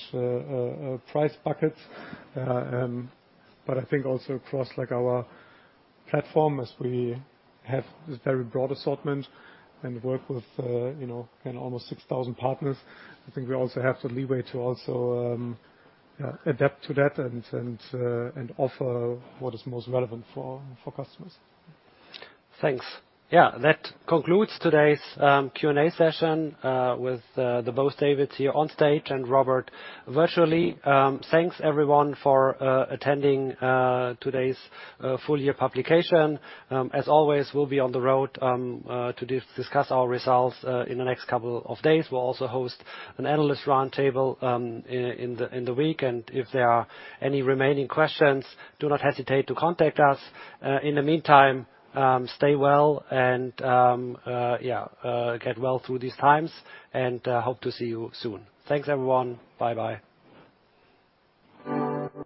price buckets. I think also across, like, our platform as we have this very broad assortment and work with, you know, and almost 6,000 partners. I think we also have the leeway to also, yeah, adapt to that and offer what is most relevant for customers. Thanks. Yeah, that concludes today's Q&A session with the both Davids here on stage and Robert virtually. Thanks everyone for attending today's full year publication. As always, we'll be on the road to discuss our results in the next couple of days. We'll also host an analyst roundtable in the week. If there are any remaining questions, do not hesitate to contact us. In the meantime, stay well and yeah, get well through these times and hope to see you soon. Thanks, everyone. Bye-bye.